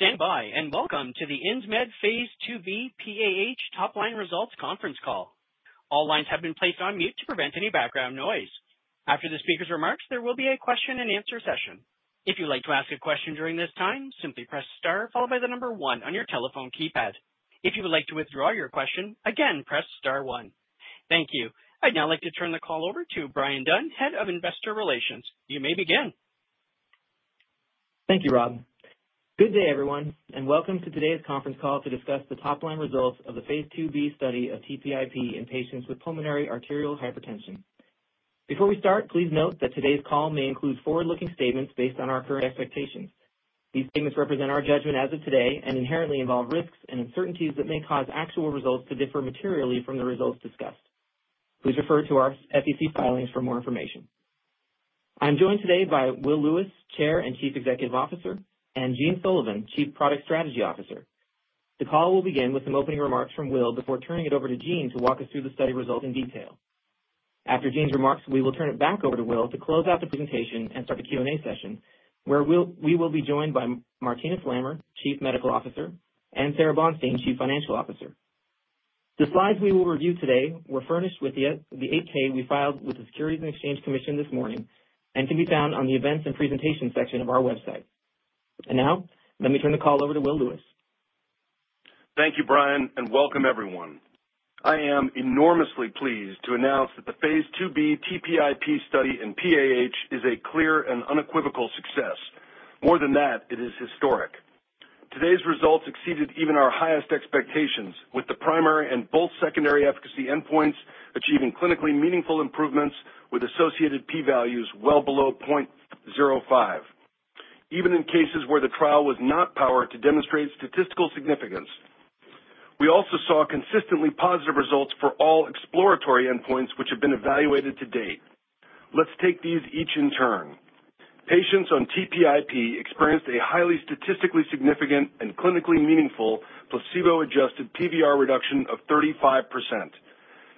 Thank you for standing by and welcome to the Insmed Phase II-B PAH Topline Results Conference Call. All lines have been placed on mute to prevent any background noise. After the speaker's remarks, there will be a question-and-answer session. If you'd like to ask a question during this time, simply press star followed by the number one on your telephone keypad. If you would like to withdraw your question, again, press star one. Thank you. I'd now like to turn the call over to Bryan Dunn, Head of Investor Relations. You may begin. Thank you, Rob. Good day, everyone, and welcome to today's conference call to discuss the top-line results of the phase II-B study of TPIP in patients with pulmonary arterial hypertension. Before we start, please note that today's call may include forward-looking statements based on our current expectations. These statements represent our judgment as of today and inherently involve risks and uncertainties that may cause actual results to differ materially from the results discussed. Please refer to our SEC filings for more information. I'm joined today by Will Lewis, Chair and Chief Executive Officer, and Jean Sullivan, Chief Product Strategy Officer. The call will begin with some opening remarks from Will before turning it over to Jean to walk us through the study results in detail. After Jean's remarks, we will turn it back over to Will to close out the presentation and start the Q&A session, where we will be joined by Martina Flammer, Chief Medical Officer, and Sara Bonstein, Chief Financial Officer. The slides we will review today were furnished with the 8-K we filed with the Securities and Exchange Commission this morning and can be found on the Events and Presentations section of our website. Now, let me turn the call over to Will Lewis. Thank you, Brian, and welcome, everyone. I am enormously pleased to announce that the phase II-B TPIP study in PAH is a clear and unequivocal success. More than that, it is historic. Today's results exceeded even our highest expectations, with the primary and both secondary efficacy endpoints achieving clinically meaningful improvements, with associated p-values well below 0.05, even in cases where the trial was not powered to demonstrate statistical significance. We also saw consistently positive results for all exploratory endpoints, which have been evaluated to date. Let's take these each in turn. Patients on TPIP experienced a highly statistically significant and clinically meaningful placebo-adjusted PVR reduction of 35%.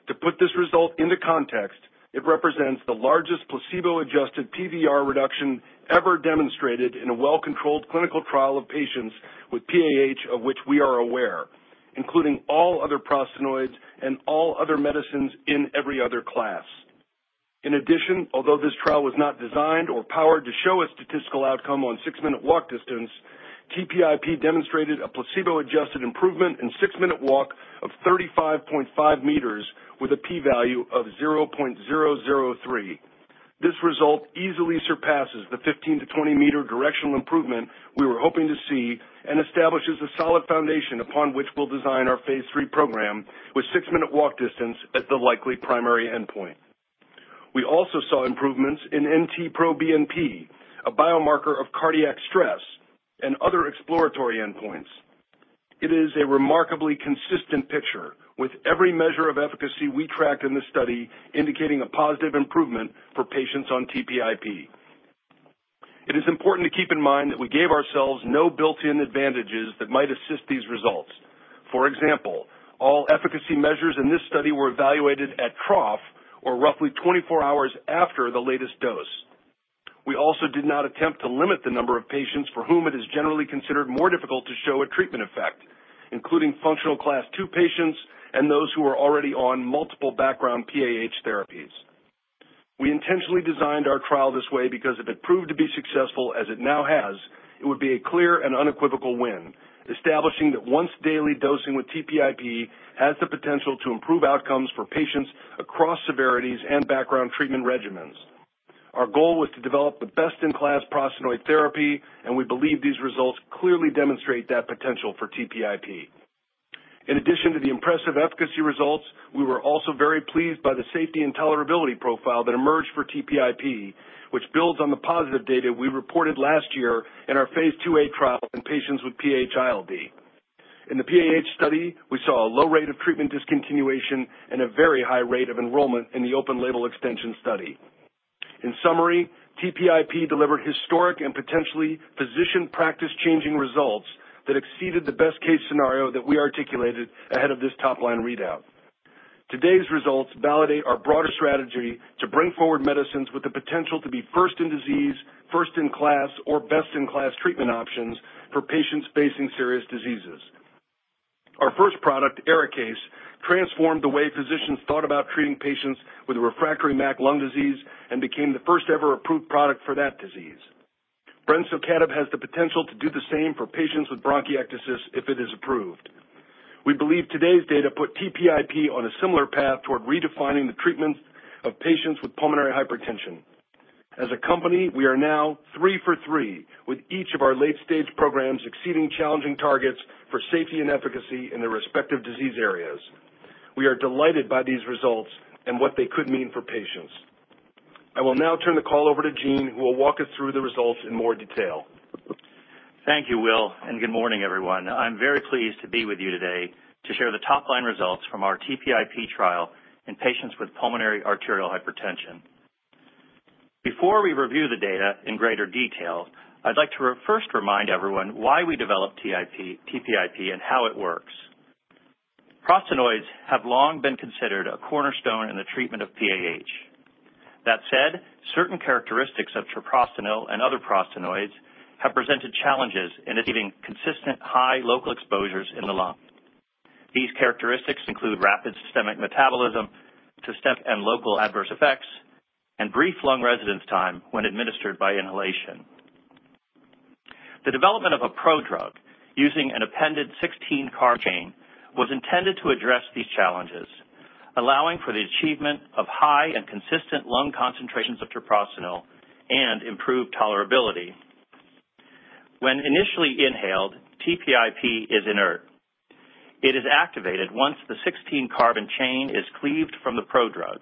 To put this result into context, it represents the largest placebo-adjusted PVR reduction ever demonstrated in a well-controlled clinical trial of patients with PAH of which we are aware, including all other prostaglandins and all other medicines in every other class. In addition, although this trial was not designed or powered to show a statistical outcome on a six-minute walk distance, TPIP demonstrated a placebo-adjusted improvement in a six-minute walk of 35.5 m with a p-value of 0.003. This result easily surpasses the 15 m-20 m directional improvement we were hoping to see and establishes a solid foundation upon which we'll design our phase III program with a six-minute walk distance as the likely primary endpoint. We also saw improvements in NT-proBNP, a biomarker of cardiac stress, and other exploratory endpoints. It is a remarkably consistent picture, with every measure of efficacy we tracked in this study indicating a positive improvement for patients on TPIP. It is important to keep in mind that we gave ourselves no built-in advantages that might assist these results. For example, all efficacy measures in this study were evaluated at trough or roughly 24 hours after the latest dose. We also did not attempt to limit the number of patients for whom it is generally considered more difficult to show a treatment effect, including functional class two patients and those who are already on multiple background PAH therapies. We intentionally designed our trial this way because if it proved to be successful, as it now has, it would be a clear and unequivocal win, establishing that once-daily dosing with TPIP has the potential to improve outcomes for patients across severities and background treatment regimens. Our goal was to develop the best-in-class prostaglandin therapy, and we believe these results clearly demonstrate that potential for TPIP. In addition to the impressive efficacy results, we were also very pleased by the safety and tolerability profile that emerged for TPIP, which builds on the positive data we reported last year in our phase II-A trial in patients with PAH ILD. In the PAH study, we saw a low rate of treatment discontinuation and a very high rate of enrollment in the open-label extension study. In summary, TPIP delivered historic and potentially physician practice-changing results that exceeded the best-case scenario that we articulated ahead of this top-line readout. Today's results validate our broader strategy to bring forward medicines with the potential to be first-in-disease, first-in-class, or best-in-class treatment options for patients facing serious diseases. Our first product, Arikayce, transformed the way physicians thought about treating patients with refractory MAC lung disease and became the first-ever approved product for that disease. brensocatib has the potential to do the same for patients with bronchiectasis if it is approved. We believe today's data put TPIP on a similar path toward redefining the treatment of patients with pulmonary hypertension. As a company, we are now three for three, with each of our late-stage programs exceeding challenging targets for safety and efficacy in their respective disease areas. We are delighted by these results and what they could mean for patients. I will now turn the call over to Jean, who will walk us through the results in more detail. Thank you, Will, and good morning, everyone. I'm very pleased to be with you today to share the top-line results from our TPIP trial in patients with pulmonary arterial hypertension. Before we review the data in greater detail, I'd like to first remind everyone why we developed TPIP and how it works. Prostaglandins have long been considered a cornerstone in the treatment of PAH. That said, certain characteristics of treprostinil and other prostaglandins have presented challenges in achieving consistent high local exposures in the lung. These characteristics include rapid systemic metabolism, systemic and local adverse effects, and brief lung residence time when administered by inhalation. The development of a prodrug using an appended 16-carbon chain was intended to address these challenges, allowing for the achievement of high and consistent lung concentrations of treprostinil and improved tolerability. When initially inhaled, TPIP is inert. It is activated once the 16-carbon chain is cleaved from the prodrug.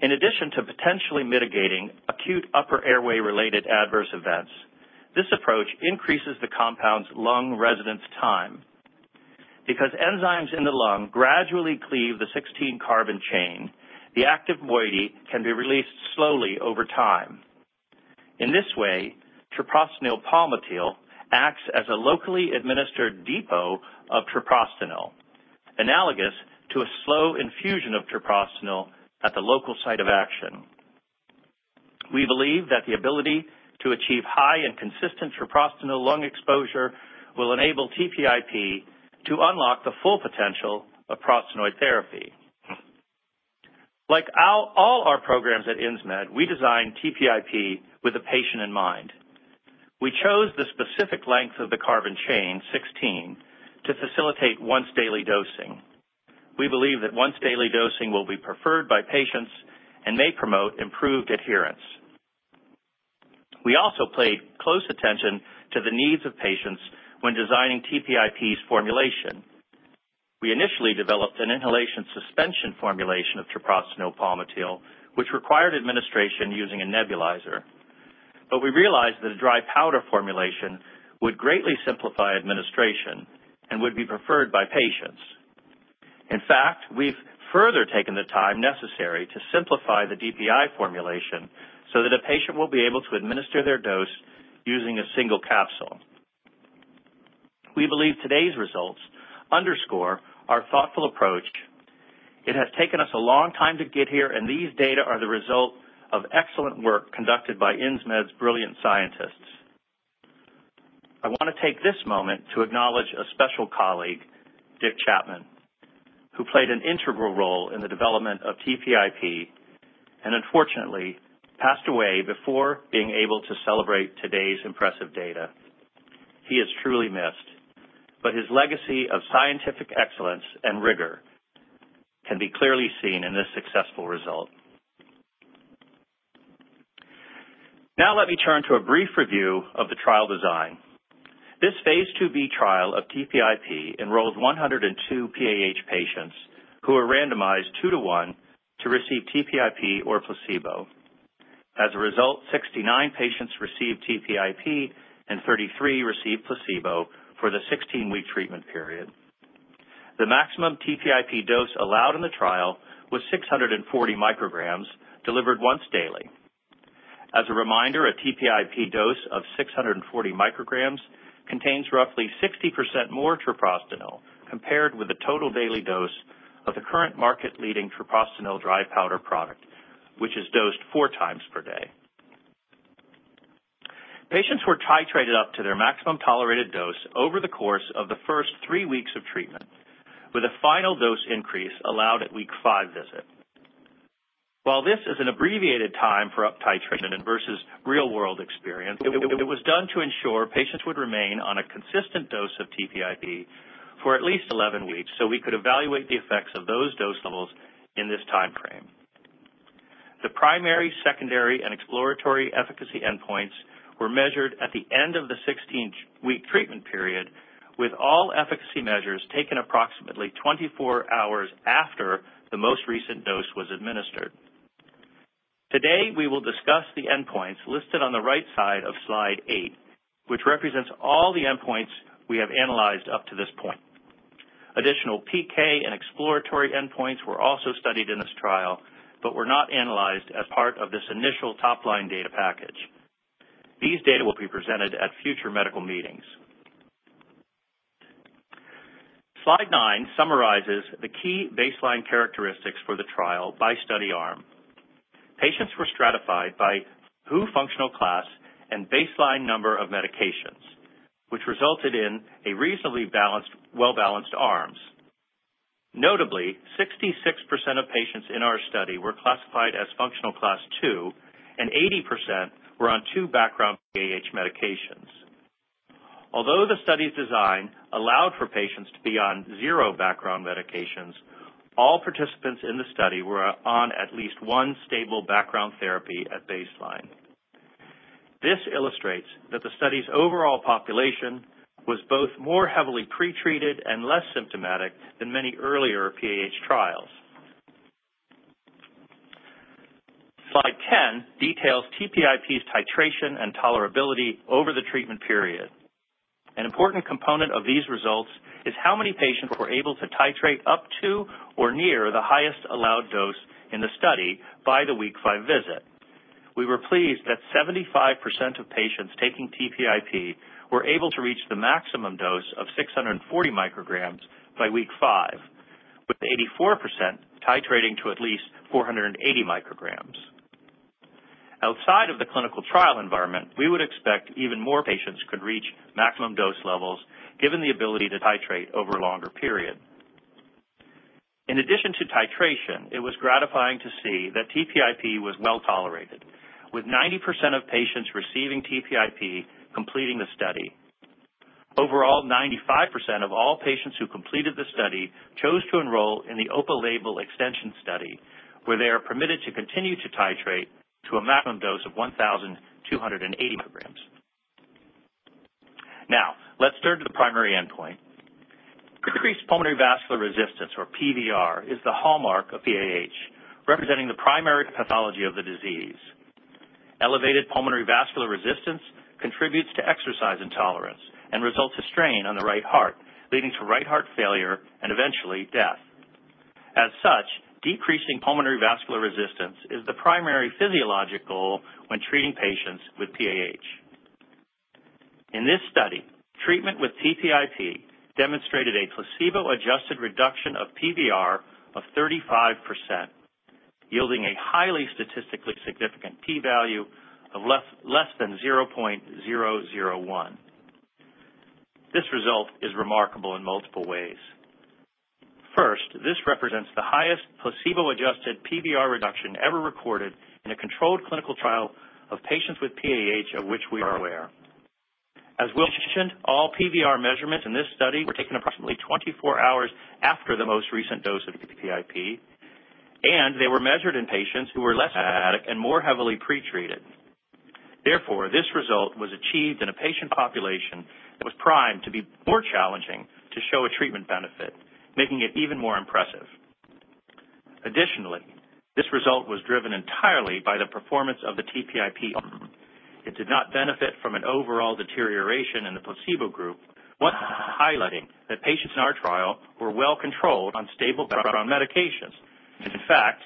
In addition to potentially mitigating acute upper airway-related adverse events, this approach increases the compound's lung residence time. Because enzymes in the lung gradually cleave the 16-carbon chain, the active moiety can be released slowly over time. In this way, treprostinil palmitil acts as a locally administered depot of treprostinil, analogous to a slow infusion of treprostinil at the local site of action. We believe that the ability to achieve high and consistent treprostinil lung exposure will enable TPIP to unlock the full potential of prostaglandin therapy. Like all our programs at Insmed, we design TPIP with the patient in mind. We chose the specific length of the carbon chain, 16, to facilitate once-daily dosing. We believe that once-daily dosing will be preferred by patients and may promote improved adherence. We also paid close attention to the needs of patients when designing TPIP's formulation. We initially developed an inhalation suspension formulation of treprostinil palmitil, which required administration using a nebulizer. We realized that a dry powder formulation would greatly simplify administration and would be preferred by patients. In fact, we've further taken the time necessary to simplify the DPI formulation so that a patient will be able to administer their dose using a single capsule. We believe today's results underscore our thoughtful approach. It has taken us a long time to get here, and these data are the result of excellent work conducted by Insmed's brilliant scientists. I want to take this moment to acknowledge a special colleague, Dick Chapman, who played an integral role in the development of TPIP and unfortunately passed away before being able to celebrate today's impressive data. He is truly missed, but his legacy of scientific excellence and rigor can be clearly seen in this successful result. Now, let me turn to a brief review of the trial design. This phase II-B trial of TPIP enrolled 102 PAH patients who were randomized two-to-one to receive TPIP or placebo. As a result, 69 patients received TPIP and 33 received placebo for the 16-week treatment period. The maximum TPIP dose allowed in the trial was 640 mcg, delivered once daily. As a reminder, a TPIP dose of 640 mcg contains roughly 60% more treprostinil compared with the total daily dose of the current market-leading treprostinil dry powder product, which is dosed four times per day. Patients were titrated up to their maximum tolerated dose over the course of the first three weeks of treatment, with a final dose increase allowed at the week five visit. While this is an abbreviated time for up-titrating versus real-world experience, it was done to ensure patients would remain on a consistent dose of TPIP for at least 11 weeks so we could evaluate the effects of those dose levels in this time frame. The primary, secondary, and exploratory efficacy endpoints were measured at the end of the 16-week treatment period, with all efficacy measures taken approximately 24 hours after the most recent dose was administered. Today, we will discuss the endpoints listed on the right side of slide 8, which represents all the endpoints we have analyzed up to this point. Additional PK and exploratory endpoints were also studied in this trial but were not analyzed as part of this initial top-line data package. These data will be presented at future medical meetings. Slide 9 summarizes the key baseline characteristics for the trial by study arm. Patients were stratified by poor functional class and baseline number of medications, which resulted in reasonably well-balanced arms. Notably, 66% of patients in our study were classified as functional class two, and 80% were on two background PAH medications. Although the study's design allowed for patients to be on zero background medications, all participants in the study were on at least one stable background therapy at baseline. This illustrates that the study's overall population was both more heavily pretreated and less symptomatic than many earlier PAH trials. Slide 10 details TPIP's titration and tolerability over the treatment period. An important component of these results is how many patients were able to titrate up to or near the highest allowed dose in the study by the week five visit. We were pleased that 75% of patients taking TPIP were able to reach the maximum dose of 640 mcg by week five, with 84% titrating to at least 480 mcg. Outside of the clinical trial environment, we would expect even more patients could reach maximum dose levels given the ability to titrate over a longer period. In addition to titration, it was gratifying to see that TPIP was well tolerated, with 90% of patients receiving TPIP completing the study. Overall, 95% of all patients who completed the study chose to enroll in the open-label extension study, where they are permitted to continue to titrate to a maximum dose of 1,280 mcg. Now, let's turn to the primary endpoint. Increased pulmonary vascular resistance, or PVR, is the hallmark of PAH, representing the primary pathology of the disease. Elevated pulmonary vascular resistance contributes to exercise intolerance and results in strain on the right heart, leading to right heart failure and eventually death. As such, decreasing pulmonary vascular resistance is the primary physiologic goal when treating patients with PAH. In this study, treatment with TPIP demonstrated a placebo-adjusted reduction of PVR of 35%, yielding a highly statistically significant P-value of less than 0.001. This result is remarkable in multiple ways. First, this represents the highest placebo-adjusted PVR reduction ever recorded in a controlled clinical trial of patients with PAH of which we are aware. As Will mentioned, all PVR measurements in this study were taken approximately 24 hours after the most recent dose of TPIP, and they were measured in patients who were less symptomatic and more heavily pretreated. Therefore, this result was achieved in a patient population that was primed to be more challenging to show a treatment benefit, making it even more impressive. Additionally, this result was driven entirely by the performance of the TPIP. It did not benefit from an overall deterioration in the placebo group, highlighting that patients in our trial were well controlled on stable background medications. In fact,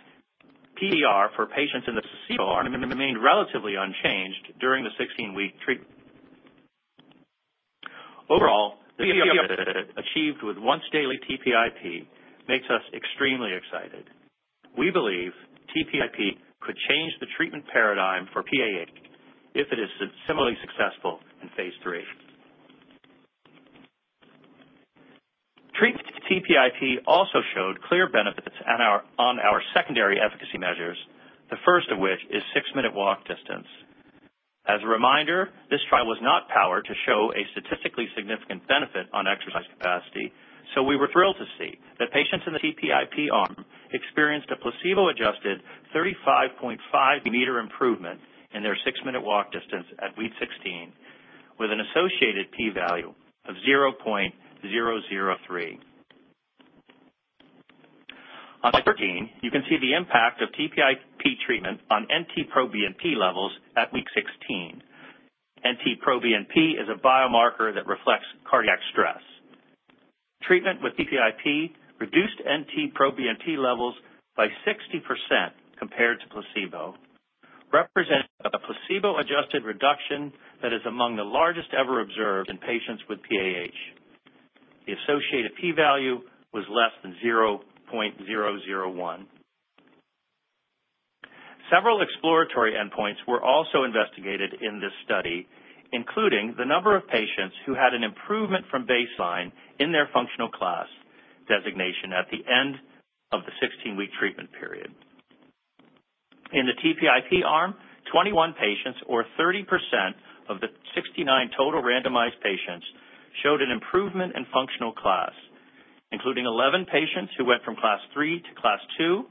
PVR for patients in the placebo arm remained relatively unchanged during the 16-week treatment. Overall, the efficacy achieved with once-daily TPIP makes us extremely excited. We believe TPIP could change the treatment paradigm for PAH if it is similarly successful in phase III. Treatment with TPIP also showed clear benefits on our secondary efficacy measures, the first of which is six-minute walk distance. As a reminder, this trial was not powered to show a statistically significant benefit on exercise capacity, so we were thrilled to see that patients in the TPIP arm experienced a placebo-adjusted 35.5 m improvement in their six-minute walk distance at week 16, with an associated P-value of 0.003. On slide 14, you can see the impact of TPIP treatment on NT-proBNP levels at week 16. NT-proBNP is a biomarker that reflects cardiac stress. Treatment with TPIP reduced NT-proBNP levels by 60% compared to placebo, representing a placebo-adjusted reduction that is among the largest ever observed in patients with PAH. The associated P-value was less than 0.001. Several exploratory endpoints were also investigated in this study, including the number of patients who had an improvement from baseline in their functional class designation at the end of the 16-week treatment period. In the TPIP arm, 21 patients, or 30% of the 69 total randomized patients, showed an improvement in functional class, including 11 patients who went from class three to class two,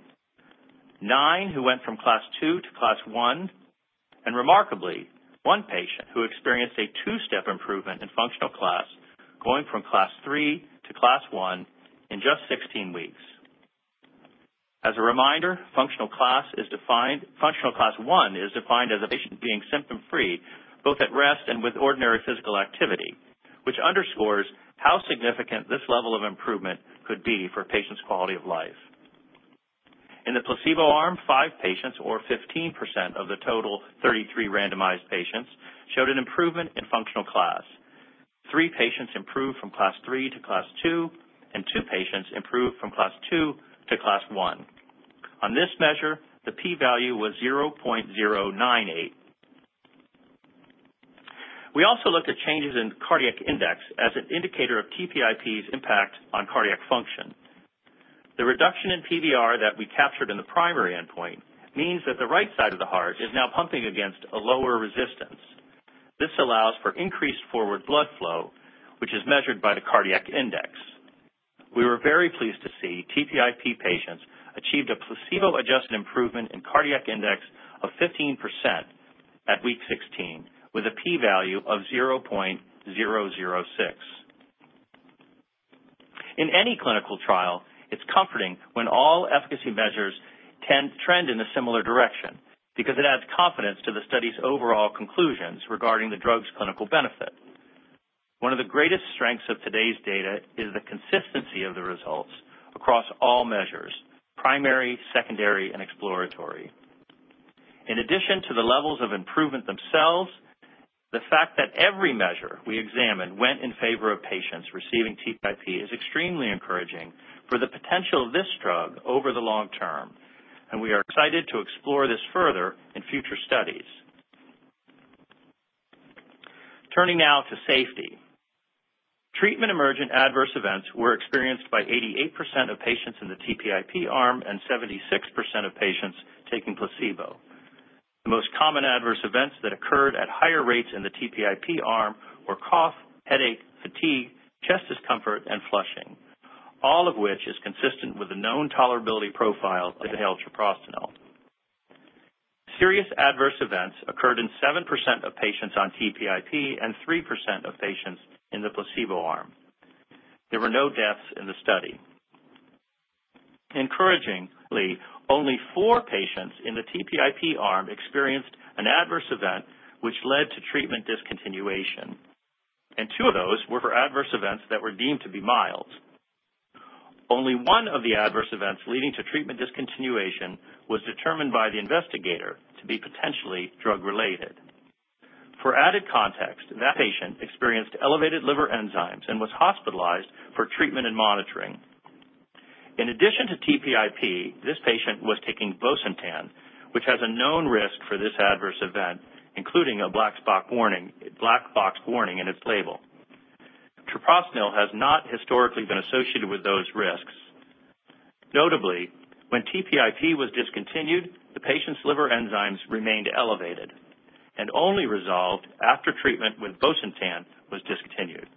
nine who went from class two to class one, and remarkably, one patient who experienced a two-step improvement in functional class going from class three to class one in just 16 weeks. As a reminder, functional class one is defined as a patient being symptom-free both at rest and with ordinary physical activity, which underscores how significant this level of improvement could be for patients' quality of life. In the placebo arm, five patients, or 15% of the total 33 randomized patients, showed an improvement in functional class. Three patients improved from class three to class two, and two patients improved from class two to class one. On this measure, the P-value was 0.098. We also looked at changes in cardiac index as an indicator of TPIP's impact on cardiac function. The reduction in PVR that we captured in the primary endpoint means that the right side of the heart is now pumping against a lower resistance. This allows for increased forward blood flow, which is measured by the cardiac index. We were very pleased to see TPIP patients achieved a placebo-adjusted improvement in cardiac index of 15% at week 16, with a P-value of 0.006. In any clinical trial, it's comforting when all efficacy measures tend to trend in a similar direction because it adds confidence to the study's overall conclusions regarding the drug's clinical benefit. One of the greatest strengths of today's data is the consistency of the results across all measures: primary, secondary, and exploratory. In addition to the levels of improvement themselves, the fact that every measure we examined went in favor of patients receiving TPIP is extremely encouraging for the potential of this drug over the long term, and we are excited to explore this further in future studies. Turning now to safety. Treatment-emergent adverse events were experienced by 88% of patients in the TPIP arm and 76% of patients taking placebo. The most common adverse events that occurred at higher rates in the TPIP arm were cough, headache, fatigue, chest discomfort, and flushing, all of which is consistent with the known tolerability profile of inhaled treprostinil. Serious adverse events occurred in 7% of patients on TPIP and 3% of patients in the placebo arm. There were no deaths in the study. Encouragingly, only four patients in the TPIP arm experienced an adverse event which led to treatment discontinuation, and two of those were for adverse events that were deemed to be mild. Only one of the adverse events leading to treatment discontinuation was determined by the investigator to be potentially drug-related. For added context, that patient experienced elevated liver enzymes and was hospitalized for treatment and monitoring. In addition to TPIP, this patient was taking Bosentan, which has a known risk for this adverse event, including a black box warning in its label. Treprostinil has not historically been associated with those risks. Notably, when TPIP was discontinued, the patient's liver enzymes remained elevated and only resolved after treatment with Bosentan was discontinued.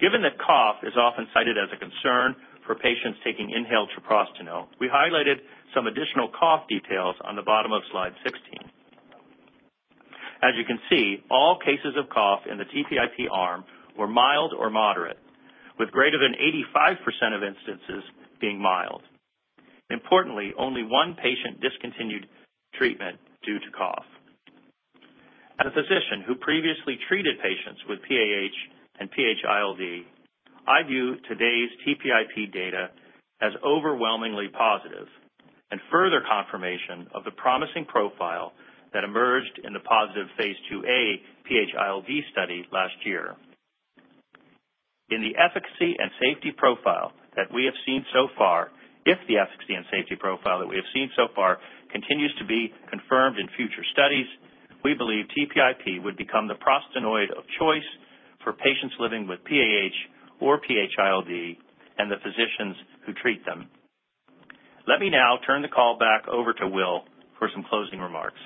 Given that cough is often cited as a concern for patients taking inhaled treprostinil, we highlighted some additional cough details on the bottom of slide 16. As you can see, all cases of cough in the TPIP arm were mild or moderate, with greater than 85% of instances being mild. Importantly, only one patient discontinued treatment due to cough. As a physician who previously treated patients with PAH and PH-ILD, I view today's TPIP data as overwhelmingly positive and further confirmation of the promising profile that emerged in the positive phase II-B PH-ILD study last year. In the efficacy and safety profile that we have seen so far, if the efficacy and safety profile that we have seen so far continues to be confirmed in future studies, we believe TPIP would become the prostanoid of choice for patients living with PAH or PH-ILD and the physicians who treat them. Let me now turn the call back over to Will for some closing remarks.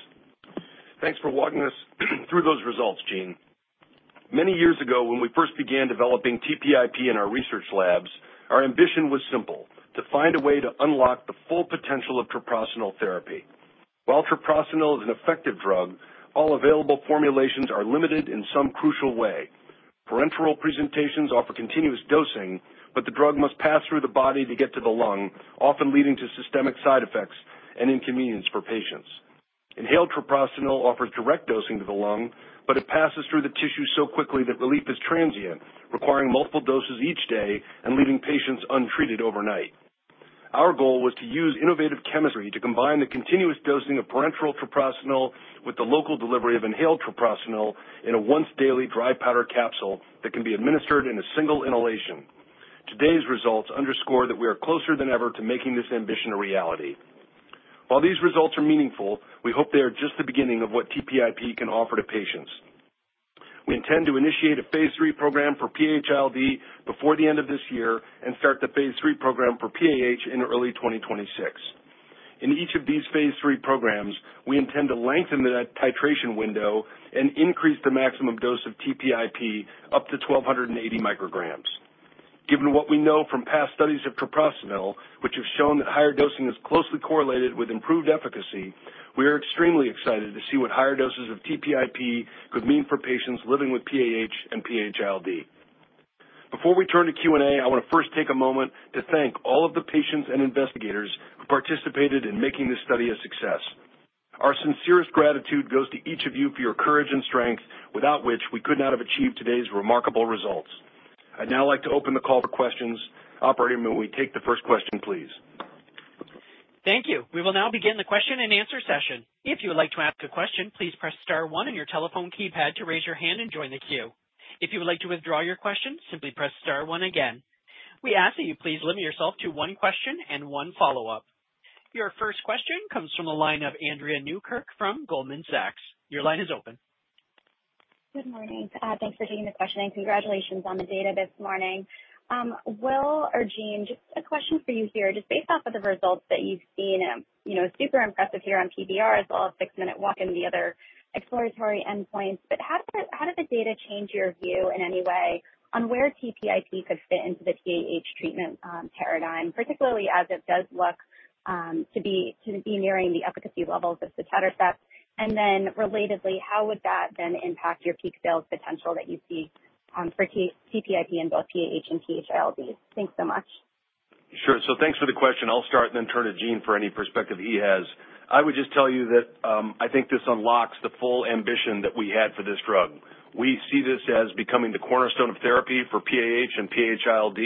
Thanks for walking us through those results, Gene. Many years ago, when we first began developing TPIP in our research labs, our ambition was simple: to find a way to unlock the full potential of treprostinil therapy. While treprostinil is an effective drug, all available formulations are limited in some crucial way. Parenteral presentations offer continuous dosing, but the drug must pass through the body to get to the lung, often leading to systemic side effects and inconvenience for patients. Inhaled treprostinil offers direct dosing to the lung, but it passes through the tissue so quickly that relief is transient, requiring multiple doses each day and leaving patients untreated overnight. Our goal was to use innovative chemistry to combine the continuous dosing of parenteral treprostinil with the local delivery of inhaled treprostinil in a once-daily dry powder capsule that can be administered in a single inhalation. Today's results underscore that we are closer than ever to making this ambition a reality. While these results are meaningful, we hope they are just the beginning of what TPIP can offer to patients. We intend to initiate a phase III program for PH-ILD before the end of this year and start the phase III program for PAH in early 2026. In each of these phase III programs, we intend to lengthen the titration window and increase the maximum dose of TPIP up to 1,280 mcg. Given what we know from past studies of treprostinil, which have shown that higher dosing is closely correlated with improved efficacy, we are extremely excited to see what higher doses of TPIP could mean for patients living with PAH and PH-ILD. Before we turn to Q&A, I want to first take a moment to thank all of the patients and investigators who participated in making this study a success. Our sincerest gratitude goes to each of you for your courage and strength, without which we could not have achieved today's remarkable results. I'd now like to open the call for questions. Operator, may we take the first question, please? Thank you. We will now begin the question-and-answer session. If you would like to ask a question, please press star one on your telephone keypad to raise your hand and join the queue. If you would like to withdraw your question, simply press star one again. We ask that you please limit yourself to one question and one follow-up. Your first question comes from the line of Andrea Newkirk from Goldman Sachs. Your line is open. Good morning. Thanks for taking the question, and congratulations on the data this morning. Will or Gene, just a question for you here. Just based off of the results that you've seen, super impressive here on PVR as well as six-minute walk and the other exploratory endpoints, but how did the data change your view in any way on where TPIP could fit into the PAH treatment paradigm, particularly as it does look to be nearing the efficacy levels of sotatercept? And then relatedly, how would that then impact your peak sales potential that you see for TPIP in both PAH and PH-ILD? Thanks so much. Sure. Thanks for the question. I'll start and then turn to Gene for any perspective he has. I would just tell you that I think this unlocks the full ambition that we had for this drug. We see this as becoming the cornerstone of therapy for PAH and PH-ILD,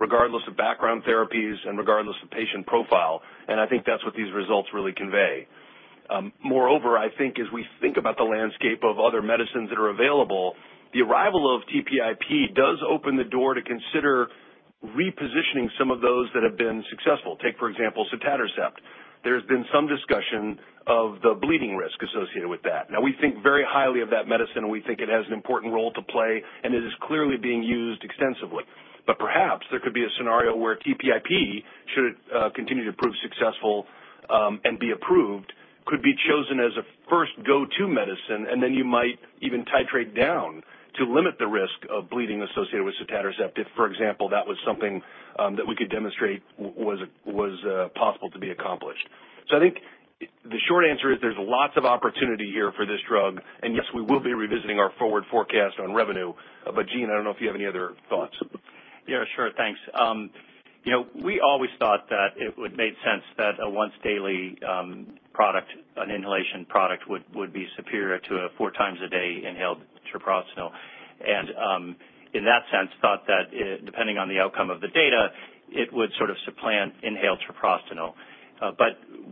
regardless of background therapies and regardless of patient profile. I think that's what these results really convey. Moreover, I think as we think about the landscape of other medicines that are available, the arrival of TPIP does open the door to consider repositioning some of those that have been successful. Take, for example, sotatercept. There has been some discussion of the bleeding risk associated with that. Now, we think very highly of that medicine, and we think it has an important role to play, and it is clearly being used extensively. Perhaps there could be a scenario where TPIP, should it continue to prove successful and be approved, could be chosen as a first go-to medicine, and then you might even titrate down to limit the risk of bleeding associated with sotatercept if, for example, that was something that we could demonstrate was possible to be accomplished. I think the short answer is there's lots of opportunity here for this drug, and yes, we will be revisiting our forward forecast on revenue. Gene, I do not know if you have any other thoughts. Yeah, sure. Thanks. We always thought that it would make sense that a once-daily product, an inhalation product, would be superior to a four times a day inhaled treprostinil. In that sense, thought that depending on the outcome of the data, it would sort of supplant inhaled treprostinil.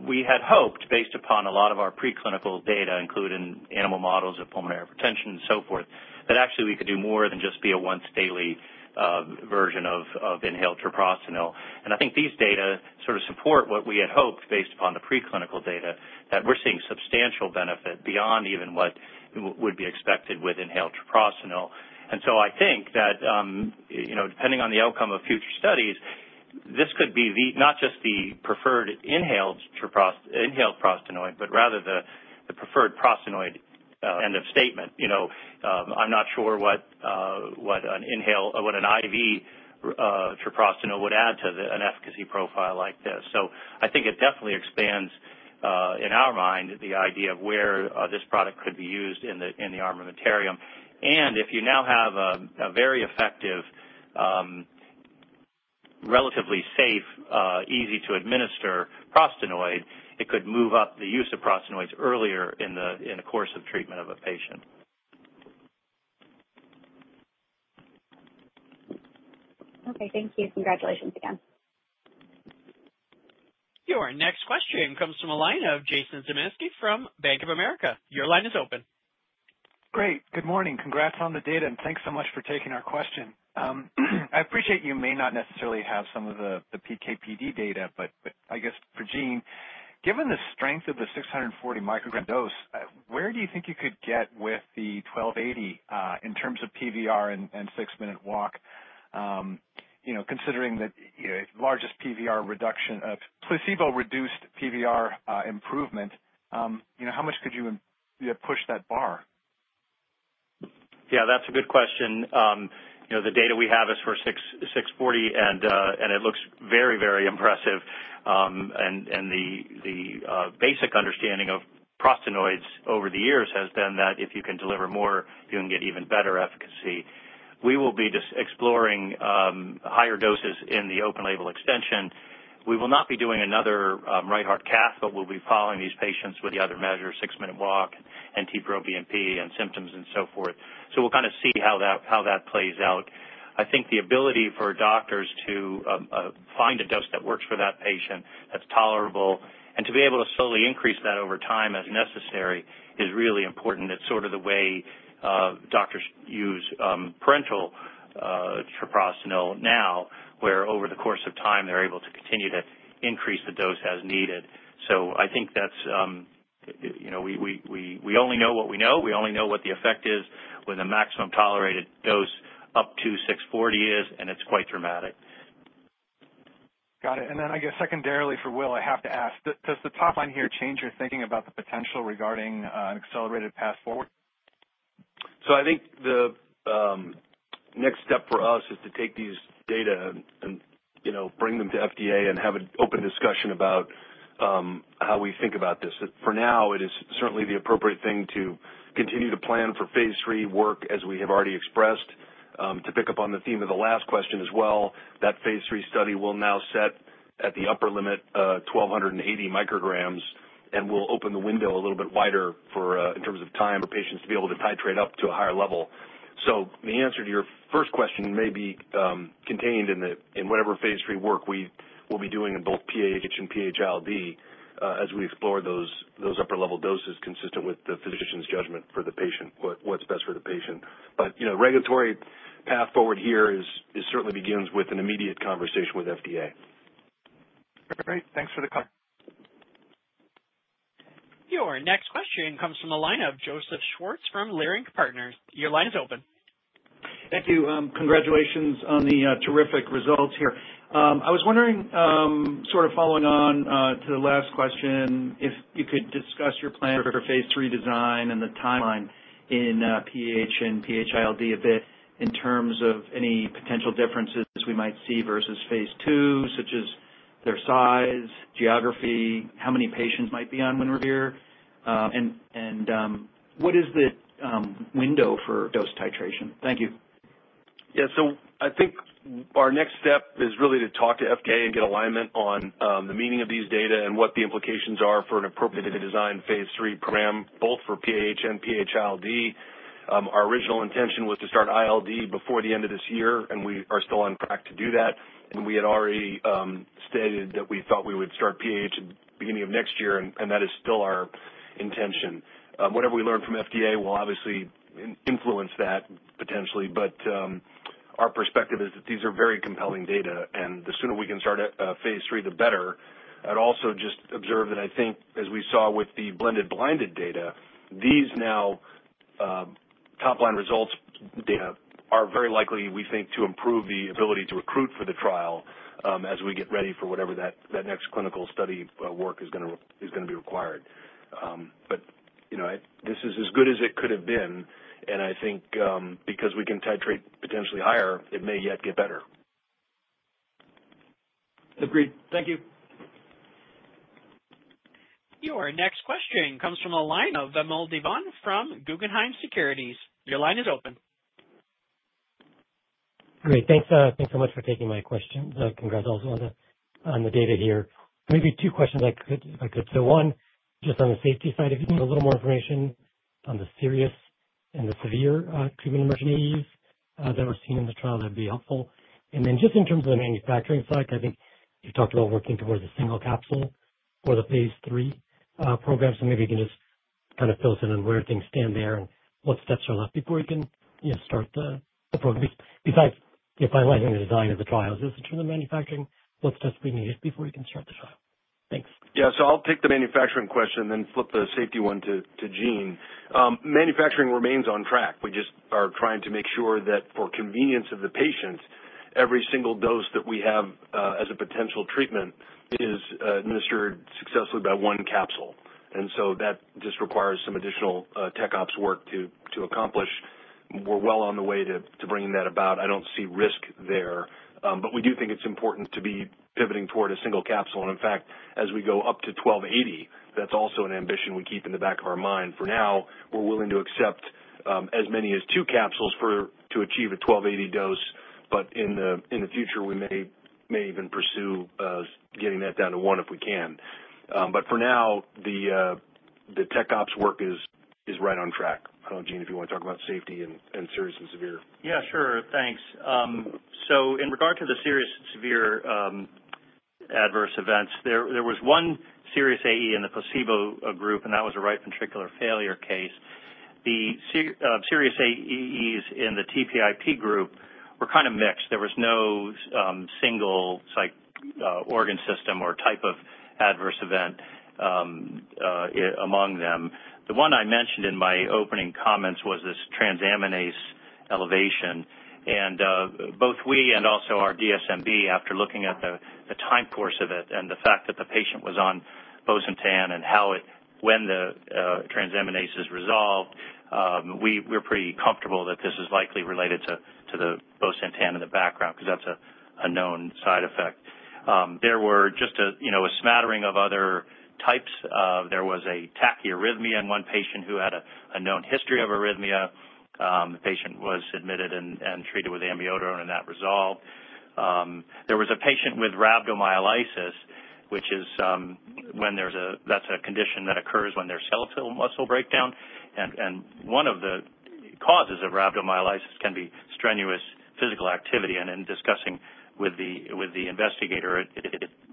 We had hoped, based upon a lot of our preclinical data, including animal models of pulmonary hypertension and so forth, that actually we could do more than just be a once-daily version of inhaled treprostinil. I think these data sort of support what we had hoped, based upon the preclinical data, that we're seeing substantial benefit beyond even what would be expected with inhaled treprostinil. I think that depending on the outcome of future studies, this could be not just the preferred inhaled prostaglandin, but rather the preferred prostaglandin end of statement. I'm not sure what an IV treprostinil would add to an efficacy profile like this. I think it definitely expands, in our mind, the idea of where this product could be used in the armamentarium. If you now have a very effective, relatively safe, easy-to-administer prostaglandin, it could move up the use of prostaglandins earlier in the course of treatment of a patient. Okay. Thank you. Congratulations again. Your next question comes from a line of Jason Zemansky from Bank of America. Your line is open. Great. Good morning. Congrats on the data, and thanks so much for taking our question. I appreciate you may not necessarily have some of the PKPD data, but I guess for Gene, given the strength of the 640 mcg dose, where do you think you could get with the 1,280 in terms of PVR and six-minute walk, considering the largest PVR reduction of placebo-reduced PVR improvement? How much could you push that bar? Yeah, that's a good question. The data we have is for 640, and it looks very, very impressive. The basic understanding of prostaglandins over the years has been that if you can deliver more, you can get even better efficacy. We will be exploring higher doses in the open-label extension. We will not be doing another right heart cath, but we'll be following these patients with the other measures, six-minute walk, NT-proBNP, and symptoms and so forth. We'll kind of see how that plays out. I think the ability for doctors to find a dose that works for that patient, that's tolerable, and to be able to slowly increase that over time as necessary is really important. It's sort of the way doctors use parenteral prostaglandin now, where over the course of time, they're able to continue to increase the dose as needed. I think that's we only know what we know. We only know what the effect is when the maximum tolerated dose up to 640 is, and it's quite dramatic. Got it. I guess secondarily for Will, I have to ask, does the top line here change your thinking about the potential regarding an accelerated path forward? I think the next step for us is to take these data and bring them to FDA and have an open discussion about how we think about this. For now, it is certainly the appropriate thing to continue to plan for phase III work, as we have already expressed. To pick up on the theme of the last question as well, that phase III study will now set at the upper limit, 1,280 mcg, and will open the window a little bit wider in terms of time for patients to be able to titrate up to a higher level. The answer to your first question may be contained in whatever phase III work we will be doing in both PAH and PH-ILD as we explore those upper-level doses consistent with the physician's judgment for the patient, what's best for the patient. The regulatory path forward here certainly begins with an immediate conversation with FDA. Great. Thanks for the comment. Your next question comes from a line of Joseph Schwartz from Leerink Partners. Your line is open. Thank you. Congratulations on the terrific results here. I was wondering, sort of following on to the last question, if you could discuss your plan for phase III design and the timeline in PAH and PH-ILD a bit in terms of any potential differences we might see versus phase II, such as their size, geography, how many patients might be on Winrevair, and what is the window for dose titration? Thank you. Yeah. I think our next step is really to talk to FDA and get alignment on the meaning of these data and what the implications are for an appropriate design phase III program, both for PAH and PH-ILD. Our original intention was to start ILD before the end of this year, and we are still on track to do that. We had already stated that we thought we would start PAH at the beginning of next year, and that is still our intention. Whatever we learn from FDA will obviously influence that potentially, but our perspective is that these are very compelling data, and the sooner we can start phase III, the better. I'd also just observe that I think, as we saw with the blended blinded data, these now top-line results data are very likely, we think, to improve the ability to recruit for the trial as we get ready for whatever that next clinical study work is going to be required. This is as good as it could have been, and I think because we can titrate potentially higher, it may yet get better. Agreed. Thank you. Your next question comes from a line of Vamil Divan from Guggenheim Securities. Your line is open. Great. Thanks so much for taking my question. Congrats also on the data here. Maybe two questions I could. One, just on the safety side, if you have a little more information on the serious and the severe treatment emergency that we're seeing in the trial, that'd be helpful. In terms of the manufacturing side, I think you talked about working towards a single capsule for the phase III program. Maybe you can just kind of fill us in on where things stand there and what steps are left before you can start the program. Besides finalizing the design of the trials, is it true in the manufacturing? What steps do we need before we can start the trial? Thanks. Yeah. I'll take the manufacturing question and then flip the safety one to Gene. Manufacturing remains on track. We just are trying to make sure that for convenience of the patients, every single dose that we have as a potential treatment is administered successfully by one capsule. That just requires some additional tech ops work to accomplish. We're well on the way to bringing that about. I do not see risk there, but we do think it is important to be pivoting toward a single capsule. In fact, as we go up to 1,280, that is also an ambition we keep in the back of our mind. For now, we are willing to accept as many as two capsules to achieve a 1,280 dose, but in the future, we may even pursue getting that down to one if we can. For now, the tech ops work is right on track. I do not know, Gene, if you want to talk about safety and serious and severe. Yeah, sure. Thanks. In regard to the serious and severe adverse events, there was one serious AE in the placebo group, and that was a right ventricular failure case. The serious AEs in the TPIP group were kind of mixed. There was no single organ system or type of adverse event among them. The one I mentioned in my opening comments was this transaminase elevation. Both we and also our DSMB, after looking at the time course of it and the fact that the patient was on Bosentan and when the transaminases resolved, are pretty comfortable that this is likely related to the Bosentan in the background because that's a known side effect. There were just a smattering of other types. There was a tachyarrhythmia in one patient who had a known history of arrhythmia. The patient was admitted and treated with amiodarone, and that resolved. There was a patient with rhabdomyolysis, which is when there's a—that's a condition that occurs when there's skeletal muscle breakdown. One of the causes of rhabdomyolysis can be strenuous physical activity. In discussing with the investigator,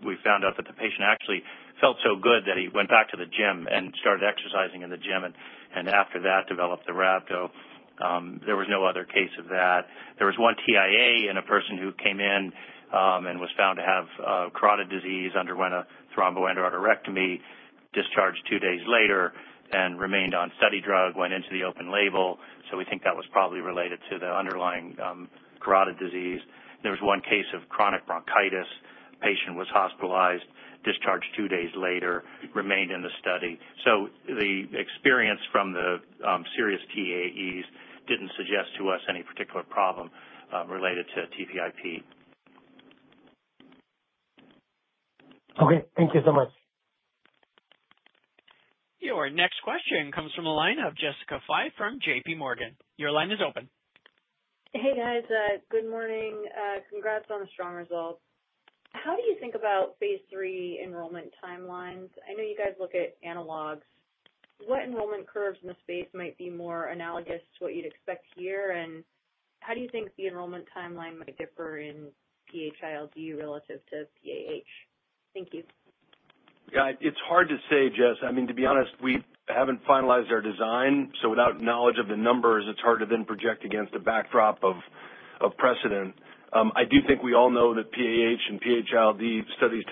we found out that the patient actually felt so good that he went back to the gym and started exercising in the gym and after that developed the rhabdomyolysis. There was no other case of that. There was one TIA in a person who came in and was found to have carotid disease, underwent a thromboendarterectomy, discharged two days later, and remained on study drug, went into the open label. We think that was probably related to the underlying carotid disease. There was one case of chronic bronchitis. The patient was hospitalized, discharged two days later, remained in the study. The experience from the serious TAEs did not suggest to us any particular problem related to TPIP. Thank you so much. Your next question comes from a line of Jessica Fye from JPMorgan. Your line is open. Hey, guys. Good morning. Congrats on the strong results. How do you think about phase III enrollment timelines? I know you guys look at analogs. What enrollment curves in the space might be more analogous to what you'd expect here? How do you think the enrollment timeline might differ in PH-ILD relative to PAH? Thank you. Yeah. It's hard to say, Jess. I mean, to be honest, we haven't finalized our design. Without knowledge of the numbers, it's hard to then project against a backdrop of precedent. I do think we all know that PAH and PH-ILD studies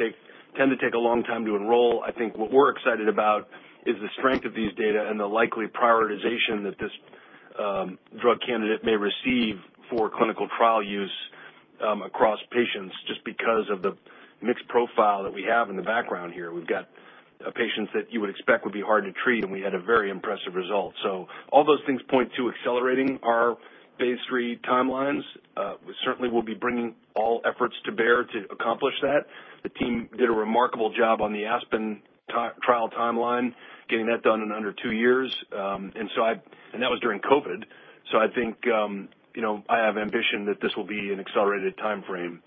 tend to take a long time to enroll. I think what we're excited about is the strength of these data and the likely prioritization that this drug candidate may receive for clinical trial use across patients just because of the mixed profile that we have in the background here. We've got patients that you would expect would be hard to treat, and we had a very impressive result. All those things point to accelerating our phase III timelines. We certainly will be bringing all efforts to bear to accomplish that. The team did a remarkable job on the Aspen trial timeline, getting that done in under two years. That was during COVID. I think I have ambition that this will be an accelerated timeframe.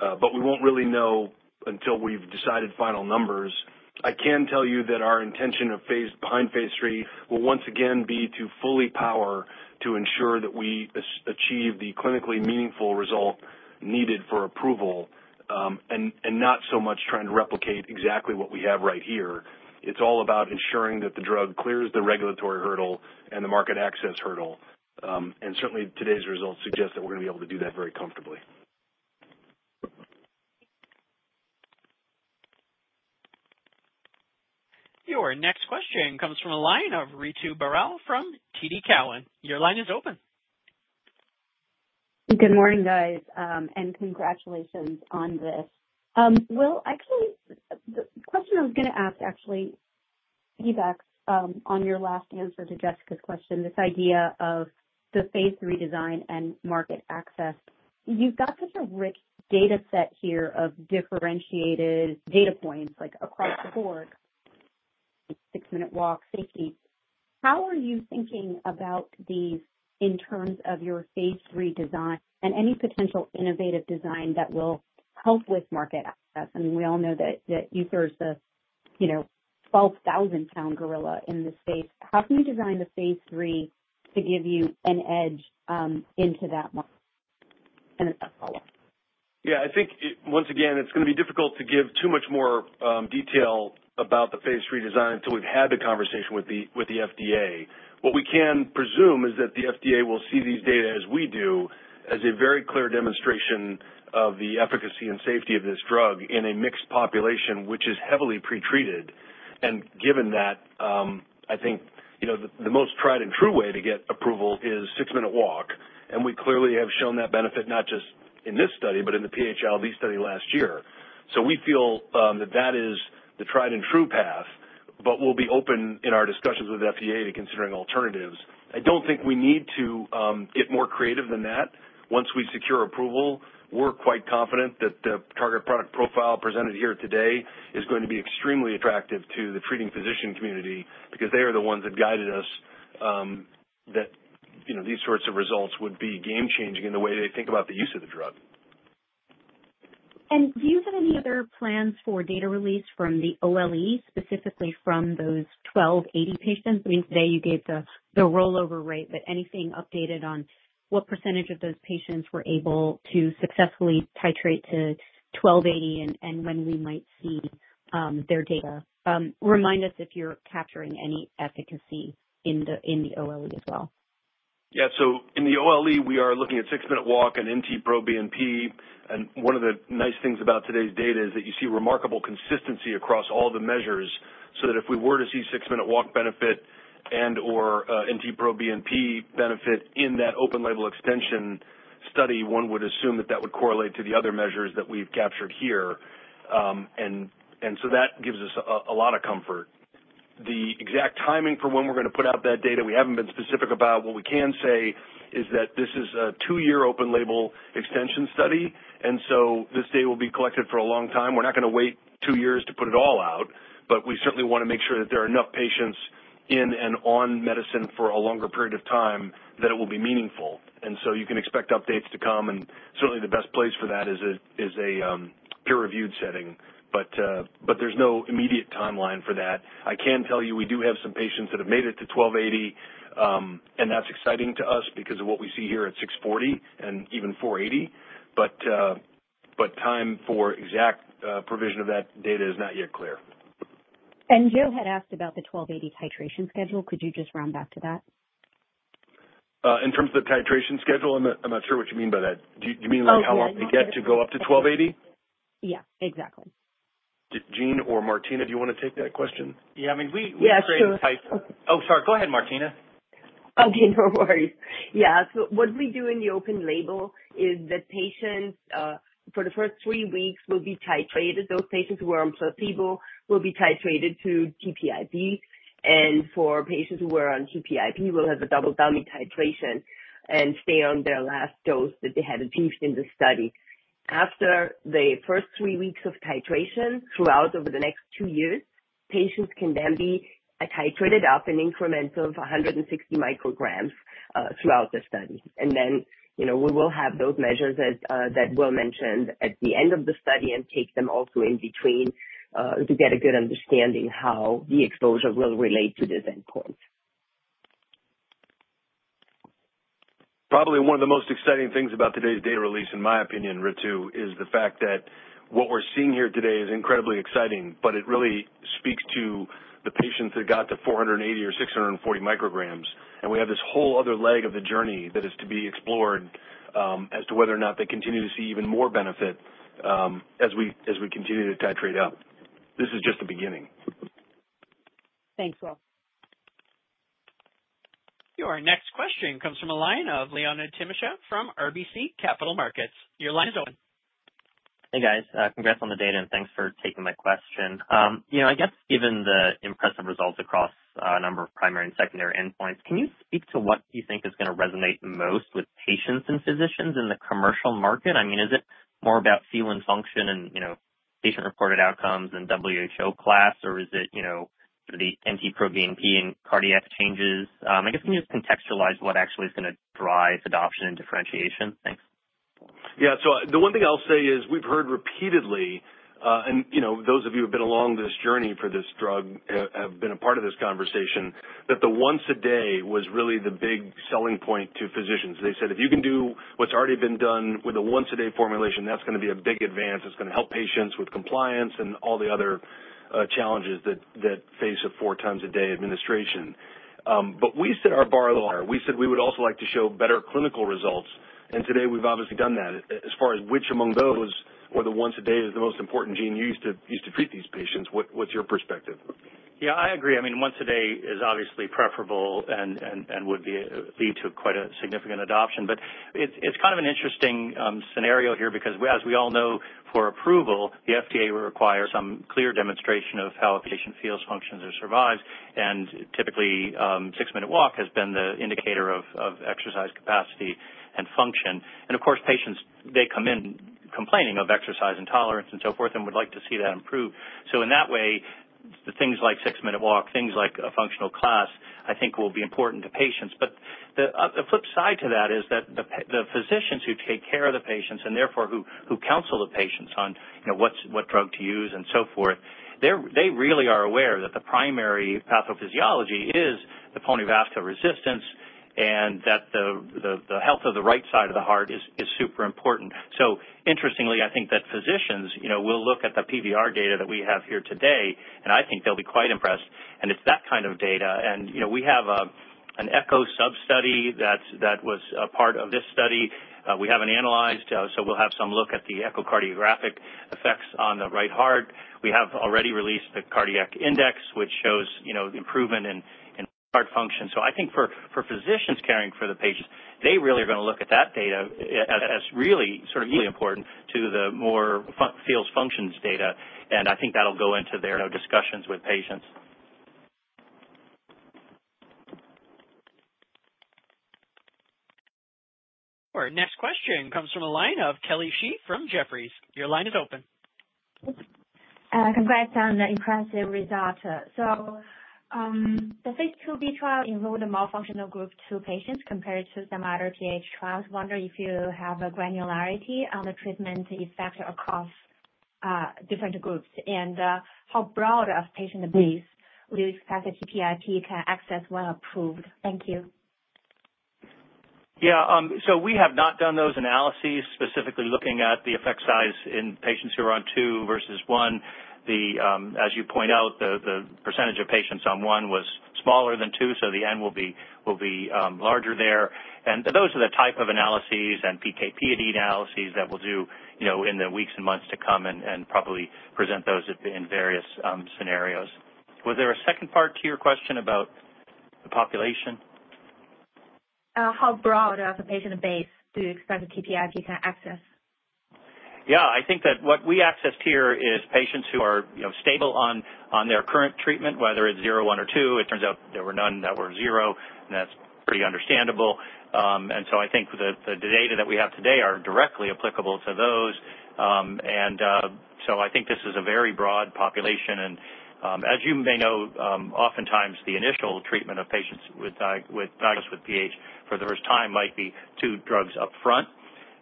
We won't really know until we've decided final numbers. I can tell you that our intention behind phase III will once again be to fully power to ensure that we achieve the clinically meaningful result needed for approval and not so much trying to replicate exactly what we have right here. It's all about ensuring that the drug clears the regulatory hurdle and the market access hurdle. Certainly, today's results suggest that we're going to be able to do that very comfortably. Your next question comes from a line of Ritu Baral from TD Cowen.Your line is open. Good morning, guys, and congratulations on this. Actually, the question I was going to ask piggybacks on your last answer to Jessica's question, this idea of the phase III design and market access. You've got such a rich data set here of differentiated data points across the board, six-minute walk, safety. How are you thinking about these in terms of your phase III design and any potential innovative design that will help with market access? I mean, we all know that you serve the 12,000-pound gorilla in this space. How can you design the phase III to give you an edge into that market? And then follow-up. Yeah. I think, once again, it's going to be difficult to give too much more detail about the phase III design until we've had the conversation with the FDA. What we can presume is that the FDA will see these data, as we do, as a very clear demonstration of the efficacy and safety of this drug in a mixed population, which is heavily pretreated. Given that, I think the most tried-and-true way to get approval is six-minute walk. We clearly have shown that benefit not just in this study, but in the PH-ILD study last year. We feel that that is the tried-and-true path, but we'll be open in our discussions with the FDA to considering alternatives. I don't think we need to get more creative than that. Once we secure approval, we're quite confident that the target product profile presented here today is going to be extremely attractive to the treating physician community because they are the ones that guided us that these sorts of results would be game-changing in the way they think about the use of the drug. Do you have any other plans for data release from the OLE, specifically from those 1,280 patients? I mean, today you gave the rollover rate, but anything updated on what percentage of those patients were able to successfully titrate to 1,280 and when we might see their data? Remind us if you're capturing any efficacy in the OLE as well. Yeah. In the OLE, we are looking at six-minute walk and NT-proBNP. One of the nice things about today's data is that you see remarkable consistency across all the measures so that if we were to see six-minute walk benefit and/or NT-proBNP benefit in that open label extension study, one would assume that that would correlate to the other measures that we've captured here. That gives us a lot of comfort. The exact timing for when we're going to put out that data, we haven't been specific about. What we can say is that this is a two-year open label extension study, and so this data will be collected for a long time. We're not going to wait two years to put it all out, but we certainly want to make sure that there are enough patients in and on medicine for a longer period of time that it will be meaningful. You can expect updates to come, and certainly the best place for that is a peer-reviewed setting. There is no immediate timeline for that. I can tell you we do have some patients that have made it to 1,280, and that is exciting to us because of what we see here at 640 and even 480. Time for exact provision of that data is not yet clear. Joe had asked about the 1,280 titration schedule. Could you just round back to that? In terms of the titration schedule, I am not sure what you mean by that. Do you mean how long they get to go up to 1,280? Yeah. Exactly. Gene or Martina, do you want to take that question? Yeah. I mean, we create—oh, sorry. Go ahead, Martina. Okay. No worries. Yeah. What we do in the open label is the patients for the first three weeks will be titrated. Those patients who were on placebo will be titrated to TPIP. For patients who were on TPIP, we'll have a double-dummy titration and stay on their last dose that they had achieved in the study. After the first three weeks of titration, throughout over the next two years, patients can then be titrated up an increment of 160 mcg throughout the study. We will have those measures that were mentioned at the end of the study and take them also in between to get a good understanding how the exposure will relate to this endpoint. Probably one of the most exciting things about today's data release, in my opinion, Ritu, is the fact that what we're seeing here today is incredibly exciting, but it really speaks to the patients that got to 480 mcg or 640 mcg. We have this whole other leg of the journey that is to be explored as to whether or not they continue to see even more benefit as we continue to titrate up. This is just the beginning. Thanks, Will. Your next question comes from a line of Leonid Timashev from RBC Capital Markets. Your line is open. Hey, guys. Congrats on the data, and thanks for taking my question. I guess given the impressive results across a number of primary and secondary endpoints, can you speak to what you think is going to resonate most with patients and physicians in the commercial market? I mean, is it more about feel and function and patient-reported outcomes and WHO class, or is it the NT-proBNP and cardiac changes? I guess can you just contextualize what actually is going to drive adoption and differentiation? Thanks. Yeah. The one thing I'll say is we've heard repeatedly, and those of you who have been along this journey for this drug have been a part of this conversation, that the once-a-day was really the big selling point to physicians. They said, "If you can do what's already been done with a once-a-day formulation, that's going to be a big advance. It's going to help patients with compliance and all the other challenges that face a four-times-a-day administration." We said our bar lower. We said we would also like to show better clinical results. And today we've obviously done that. As far as which among those or the once-a-day is the most important gene used to treat these patients, what's your perspective? Yeah. I agree. I mean, once-a-day is obviously preferable and would lead to quite a significant adoption. It is kind of an interesting scenario here because, as we all know, for approval, the FDA requires some clear demonstration of how a patient feels, functions, or survives. Typically, six-minute walk has been the indicator of exercise capacity and function. Of course, patients, they come in complaining of exercise intolerance and so forth and would like to see that improved. In that way, things like six-minute walk, things like a functional class, I think will be important to patients. The flip side to that is that the physicians who take care of the patients and therefore who counsel the patients on what drug to use and so forth, they really are aware that the primary pathophysiology is the pulmonary vascular resistance and that the health of the right side of the heart is super important. Interestingly, I think that physicians will look at the PVR data that we have here today, and I think they'll be quite impressed. It's that kind of data. We have an echo sub-study that was a part of this study. We haven't analyzed, so we'll have some look at the echocardiographic effects on the right heart. We have already released the cardiac index, which shows improvement in heart function. I think for physicians caring for the patients, they really are going to look at that data as really sort of really important to the more feels, functions data. I think that'll go into their discussions with patients. Our next question comes from a line of Kelly Shi from Jefferies. Your line is open. Congrats on the impressive result. The phase II-B trial involved a more functional group of two patients compared to some other PH trials. Wonder if you have a granularity on the treatment effect across different groups and how broad of patient base would you expect the TPIP to access when approved? Thank you. Yeah. We have not done those analyses specifically looking at the effect size in patients who are on two versus one. As you point out, the percentage of patients on one was smaller than two, so the N will be larger there. Those are the type of analyses and PKP analyses that we'll do in the weeks and months to come and probably present those in various scenarios. Was there a second part to your question about the population? How broad of a patient base do you expect the TPIP to access? Yeah. I think that what we accessed here is patients who are stable on their current treatment, whether it's zero, one, or two. It turns out there were none that were zero, and that's pretty understandable. I think the data that we have today are directly applicable to those. I think this is a very broad population. As you may know, oftentimes the initial treatment of patients diagnosed with PH for the first time might be two drugs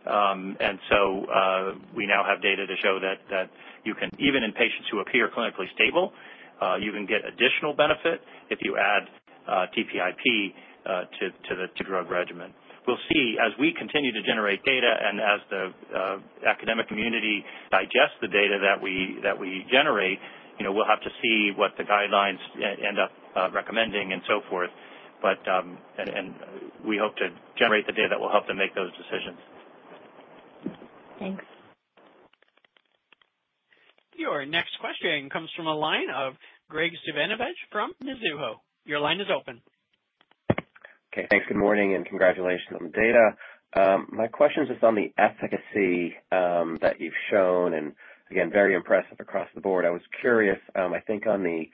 upfront. We now have data to show that even in patients who appear clinically stable, you can get additional benefit if you add TPIP to the drug regimen. We will see as we continue to generate data and as the academic community digests the data that we generate, we will have to see what the guidelines end up recommending and so forth. We hope to generate the data that will help them make those decisions. Thanks. Your next question comes from a line of Graig Suvannavejh from Mizuho. Your line is open. Okay. Thanks. Good morning and congratulations on the data. My question is on the efficacy that you have shown and, again, very impressive across the board. I was curious, I think on the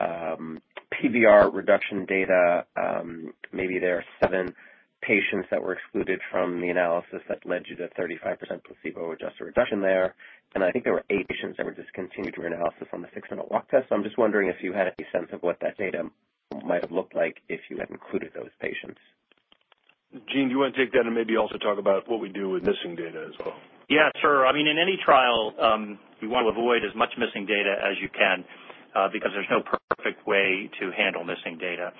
PVR reduction data, maybe there are seven patients that were excluded from the analysis that led you to 35% placebo-adjusted reduction there. And I think there were eight patients that were discontinued from your analysis on the six-minute walk test. So I'm just wondering if you had a sense of what that data might have looked like if you had included those patients. Gene, do you want to take that and maybe also talk about what we do with missing data as well? Yeah, sure. I mean, in any trial, you want to avoid as much missing data as you can because there's no perfect way to handle missing data.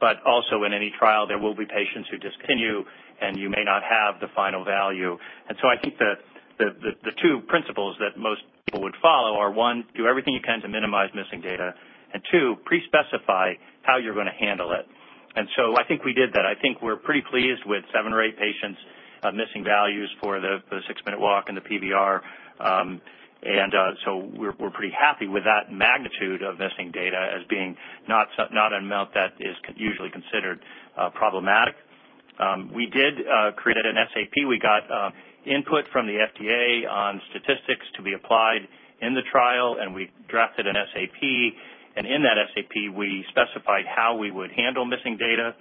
But also in any trial, there will be patients who discontinue, and you may not have the final value. I think the two principles that most people would follow are, one, do everything you can to minimize missing data, and two, pre-specify how you're going to handle it. I think we did that. I think we're pretty pleased with seven or eight patients' missing values for the six-minute walk and the PVR. We're pretty happy with that magnitude of missing data as being not an amount that is usually considered problematic. We did create an SAP. We got input from the FDA on statistics to be applied in the trial, and we drafted an SAP. In that SAP, we specified how we would handle missing data.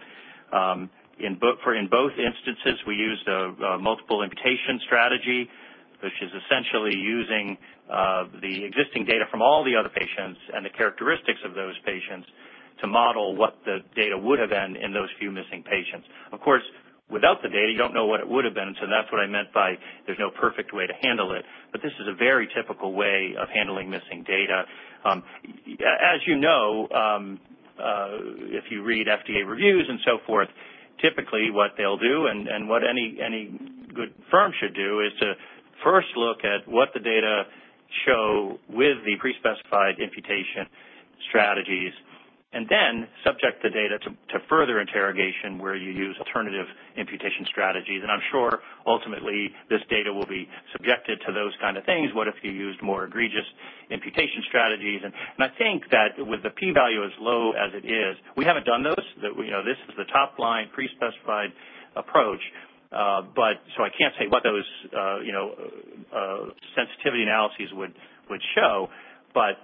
In both instances, we used a multiple imputation strategy, which is essentially using the existing data from all the other patients and the characteristics of those patients to model what the data would have been in those few missing patients. Of course, without the data, you do not know what it would have been. That is what I meant by there is no perfect way to handle it. This is a very typical way of handling missing data. As you know, if you read FDA reviews and so forth, typically what they will do and what any good firm should do is to first look at what the data show with the pre-specified imputation strategies and then subject the data to further interrogation where you use alternative imputation strategies. I am sure ultimately this data will be subjected to those kinds of things. What if you used more egregious imputation strategies? I think that with the P-value as low as it is, we have not done those. This is the top-line pre-specified approach. I cannot say what those sensitivity analyses would show.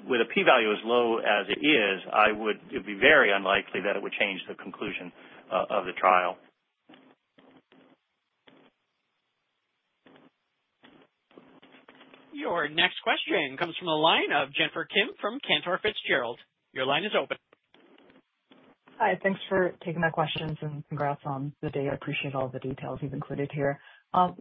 With a P-value as low as it is, it would be very unlikely that it would change the conclusion of the trial. Your next question comes from a line of Jennifer Kim from Cantor Fitzgerald. Your line is open. Hi. Thanks for taking my questions and congrats on the data. I appreciate all the details you have included here.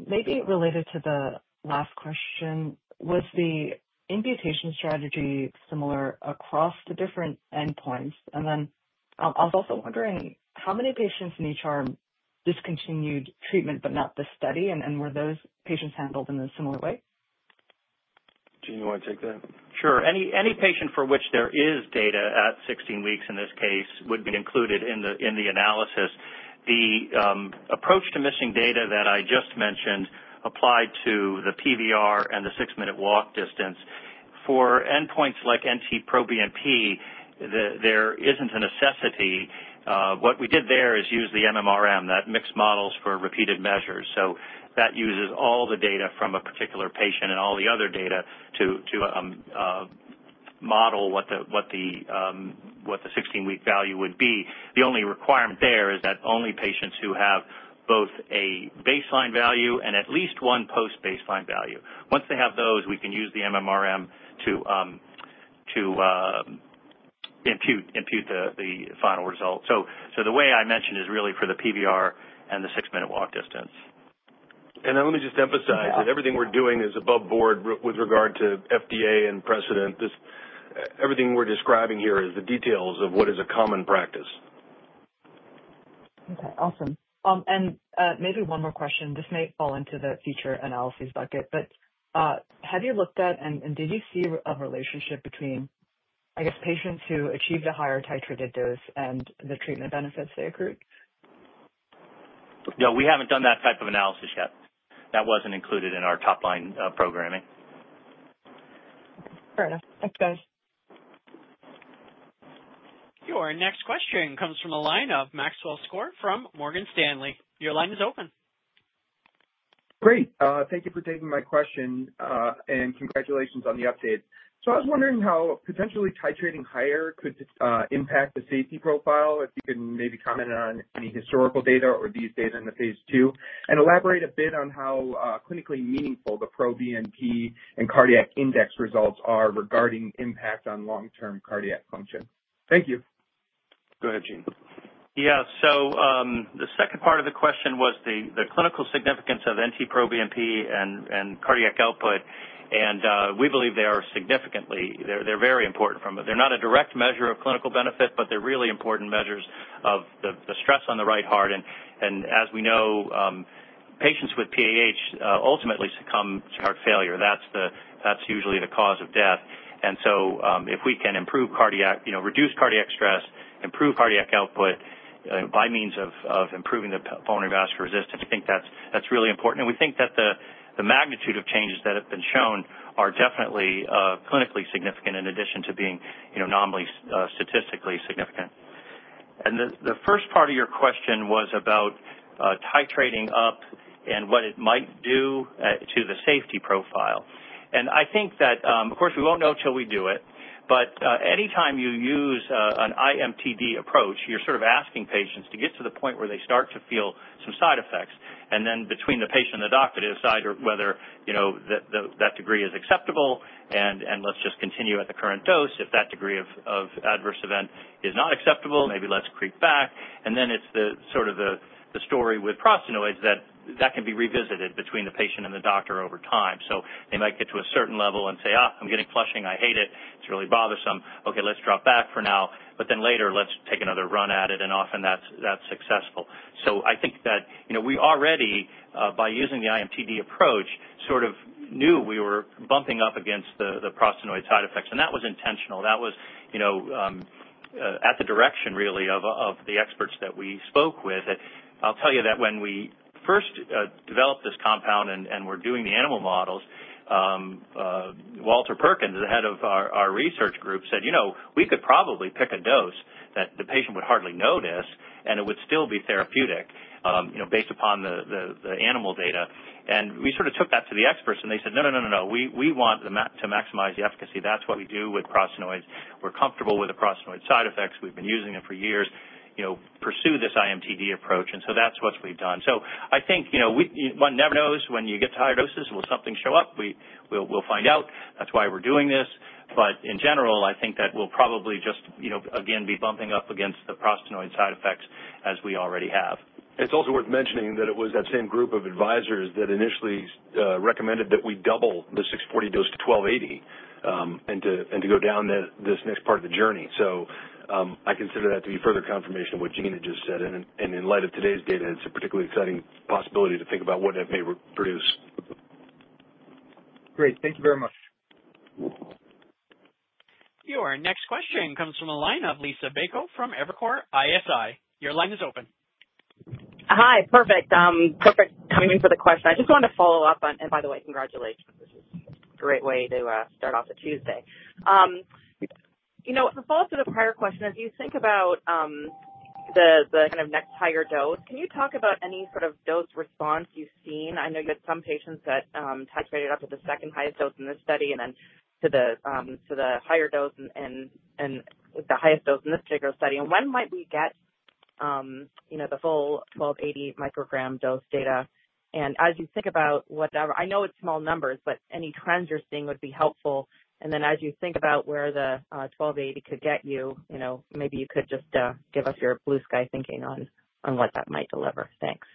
Maybe related to the last question, was the imputation strategy similar across the different endpoints? I was also wondering how many patients in each arm discontinued treatment but not the study, and were those patients handled in a similar way? Gene, do you want to take that? Sure. Any patient for which there is data at 16 weeks in this case would be included in the analysis. The approach to missing data that I just mentioned applied to the PVR and the six-minute walk distance. For endpoints like NT-proBNP, there isn't a necessity. What we did there is use the MMRM, that mixed models for repeated measures. That uses all the data from a particular patient and all the other data to model what the 16-week value would be. The only requirement there is that only patients who have both a baseline value and at least one post-baseline value. Once they have those, we can use the MMRM to impute the final result. The way I mentioned is really for the PVR and the six-minute walk distance. Let me just emphasize that everything we're doing is above board with regard to FDA and precedent. Everything we're describing here is the details of what is a common practice. Okay. Awesome. Maybe one more question. This may fall into the future analyses bucket. Have you looked at and did you see a relationship between, I guess, patients who achieved a higher titrated dose and the treatment benefits they accrued? No, we haven't done that type of analysis yet. That wasn't included in our top-line programming. Fair enough. Thanks, guys. Your next question comes from a line of Maxwell Skor from Morgan Stanley. Your line is open. Great. Thank you for taking my question, and congratulations on the update. I was wondering how potentially titrating higher could impact the safety profile if you can maybe comment on any historical data or these data in the phase II and elaborate a bit on how clinically meaningful the proBNP and cardiac index results are regarding impact on long-term cardiac function. Thank you. Go ahead, Gene. Yeah. The second part of the question was the clinical significance of NT-proBNP and cardiac output. We believe they are significantly—they're very important from—they're not a direct measure of clinical benefit, but they're really important measures of the stress on the right heart. As we know, patients with PAH ultimately succumb to heart failure. That's usually the cause of death. If we can improve cardiac—reduce cardiac stress, improve cardiac output by means of improving the pulmonary vascular resistance, I think that's really important. We think that the magnitude of changes that have been shown are definitely clinically significant in addition to being nominally statistically significant. The first part of your question was about titrating up and what it might do to the safety profile. I think that, of course, we won't know until we do it. Anytime you use an IMTD approach, you're sort of asking patients to get to the point where they start to feel some side effects. Then between the patient and the doctor to decide whether that degree is acceptable and let's just continue at the current dose. If that degree of adverse event is not acceptable, maybe let's creep back. It's sort of the story with prostanoids that can be revisited between the patient and the doctor over time. They might get to a certain level and say, I'm getting flushing. I hate it. It's really bothersome. Okay, let's drop back for now. Later, let's take another run at it. Often that's successful. I think that we already, by using the IMTD approach, sort of knew we were bumping up against the prostanoid side effects. That was intentional. That was at the direction really of the experts that we spoke with. I'll tell you that when we first developed this compound and were doing the animal models, Walter Perkins, the head of our research group, said, "We could probably pick a dose that the patient would hardly notice, and it would still be therapeutic based upon the animal data." We sort of took that to the experts, and they said, "No, no, no, no, no. We want to maximize the efficacy. That's what we do with prostanoids. We're comfortable with the prostanoid side effects. We've been using them for years. Pursue this IMTD approach." That is what we've done. I think one never knows when you get to higher doses. Will something show up? We'll find out. That is why we're doing this. In general, I think that we'll probably just, again, be bumping up against the prostanoid side effects as we already have. It's also worth mentioning that it was that same group of advisors that initially recommended that we double the 640 dose to 1,280 and to go down this next part of the journey. I consider that to be further confirmation of what Gianna just said. In light of today's data, it's a particularly exciting possibility to think about what it may produce. Great. Thank you very much. Your next question comes from a line of Liisa Bayko from Evercore ISI. Your line is open. Hi. Perfect. Perfect timing for the question. I just wanted to follow up on—and by the way, congratulations. This is a great way to start off a Tuesday. As a follow-up to the prior question, as you think about the kind of next higher dose, can you talk about any sort of dose response you've seen? I know you had some patients that titrated up to the second highest dose in this study and then to the higher dose and the highest dose in this particular study. When might we get the full 1280 mcg dose data? As you think about whatever—I know it's small numbers, but any trends you're seeing would be helpful. As you think about where the 1280 could get you, maybe you could just give us your blue sky thinking on what that might deliver. Thanks.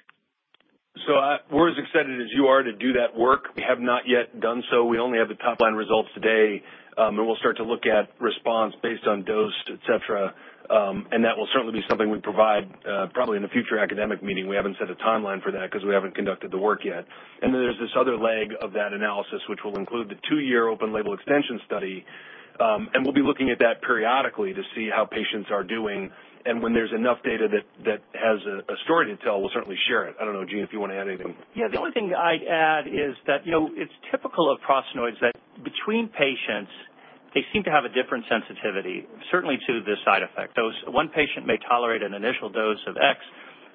We are as excited as you are to do that work. We have not yet done so. We only have the top-line results today. We will start to look at response based on dose, etc. That will certainly be something we provide probably in a future academic meeting. We have not set a timeline for that because we have not conducted the work yet. There is this other leg of that analysis, which will include the two-year open-label extension study. We will be looking at that periodically to see how patients are doing. When there is enough data that has a story to tell, we will certainly share it. I do not know, Gene, if you want to add anything. Yeah. The only thing I'd add is that it's typical of prostanoids that between patients, they seem to have a different sensitivity, certainly to the side effect. One patient may tolerate an initial dose of X,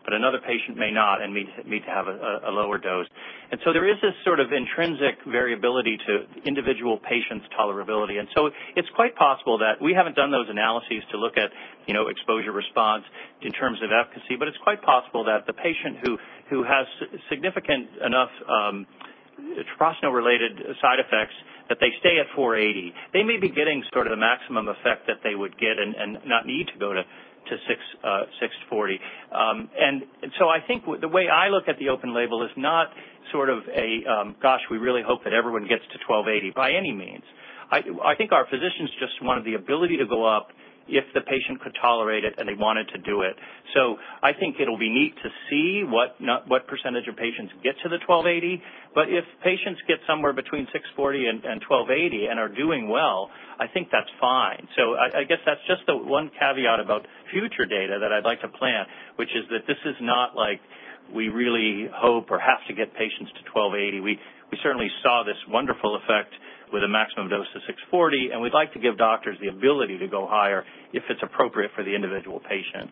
but another patient may not and may need to have a lower dose. There is this sort of intrinsic variability to individual patients' tolerability. It's quite possible that we haven't done those analyses to look at exposure response in terms of efficacy. It's quite possible that the patient who has significant enough prostanoid-related side effects that they stay at 480, they may be getting sort of the maximum effect that they would get and not need to go to 640. I think the way I look at the open label is not sort of a, "Gosh, we really hope that everyone gets to 1280," by any means. I think our physicians just wanted the ability to go up if the patient could tolerate it and they wanted to do it. I think it'll be neat to see what % of patients get to the 1280. If patients get somewhere between 640 and 1280 and are doing well, I think that's fine. I guess that's just the one caveat about future data that I'd like to plan, which is that this is not like we really hope or have to get patients to 1280. We certainly saw this wonderful effect with a maximum dose of 640. We'd like to give doctors the ability to go higher if it's appropriate for the individual patient.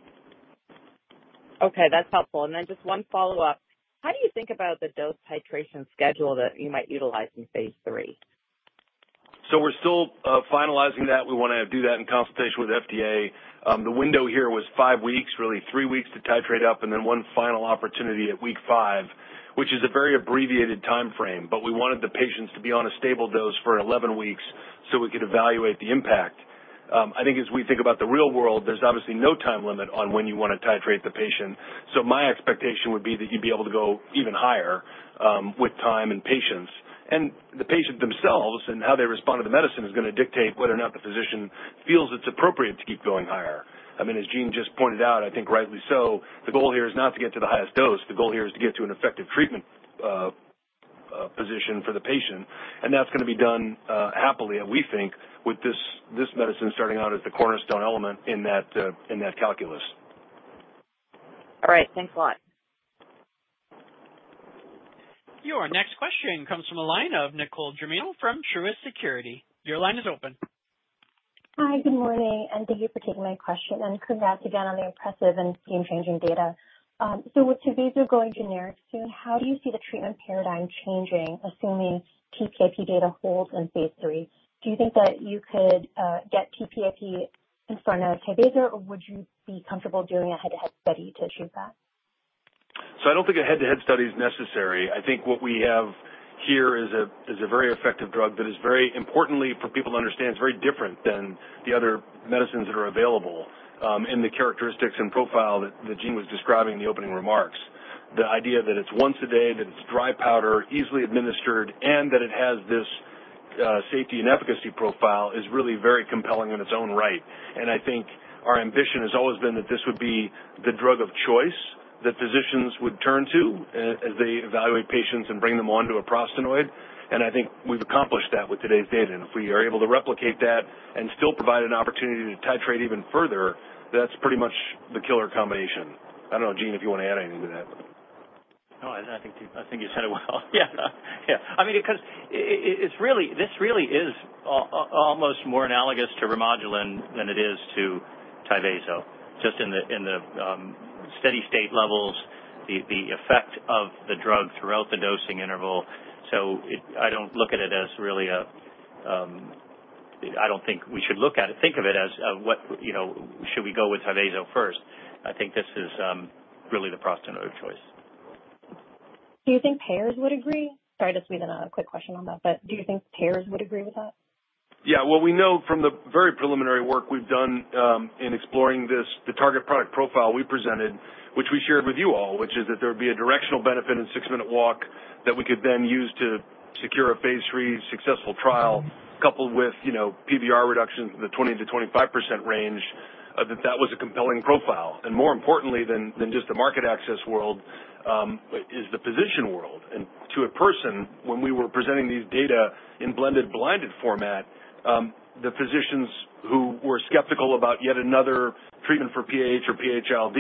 Okay. That's helpful. One follow-up. How do you think about the dose titration schedule that you might utilize in phase III? We're still finalizing that. We want to do that in consultation with FDA. The window here was five weeks, really three weeks to titrate up, and then one final opportunity at week five, which is a very abbreviated timeframe. We wanted the patients to be on a stable dose for 11 weeks so we could evaluate the impact. I think as we think about the real world, there's obviously no time limit on when you want to titrate the patient. My expectation would be that you'd be able to go even higher with time and patience. The patient themselves and how they respond to the medicine is going to dictate whether or not the physician feels it's appropriate to keep going higher. I mean, as Jean just pointed out, I think rightly so, the goal here is not to get to the highest dose. The goal here is to get to an effective treatment position for the patient. That is going to be done happily, we think, with this medicine starting out as the cornerstone element in that calculus. All right. Thanks a lot. Your next question comes from a line of Nicole Germino from Truist Securities. Your line is open. Hi. Good morning. Thank you for taking my question. Congrats again on the impressive and game-changing data. With Tyvaso going generic soon, how do you see the treatment paradigm changing, assuming TPIP data holds in phase III? Do you think that you could get TPIP in front of Tyvaso, or would you be comfortable doing a head-to-head study to achieve that? I do not think a head-to-head study is necessary. I think what we have here is a very effective drug that is very importantly for people to understand is very different than the other medicines that are available in the characteristics and profile that Gene was describing in the opening remarks. The idea that it's once a day, that it's dry powder, easily administered, and that it has this safety and efficacy profile is really very compelling in its own right. I think our ambition has always been that this would be the drug of choice that physicians would turn to as they evaluate patients and bring them onto a prostanoid. I think we've accomplished that with today's data. If we are able to replicate that and still provide an opportunity to titrate even further, that's pretty much the killer combination. I don't know, Gene, if you want to add anything to that. No, I think you said it well. Yeah. Yeah. I mean, because this really is almost more analogous to Remodulin than it is to Tyvaso, just in the steady-state levels, the effect of the drug throughout the dosing interval. I don't look at it as really a—I don't think we should look at it—think of it as, "Should we go with Tyvaso first?" I think this is really the prostanoid choice. Do you think payers would agree? Sorry to squeeze in a quick question on that. Do you think payers would agree with that? Yeah. We know from the very preliminary work we've done in exploring the target product profile we presented, which we shared with you all, which is that there would be a directional benefit in six-minute walk that we could then use to secure a phase III successful trial coupled with PVR reductions in the 20-25% range, that that was a compelling profile. More importantly than just the market access world is the physician world. To a person, when we were presenting these data in blended-blinded format, the physicians who were skeptical about yet another treatment for PAH or PH-ILD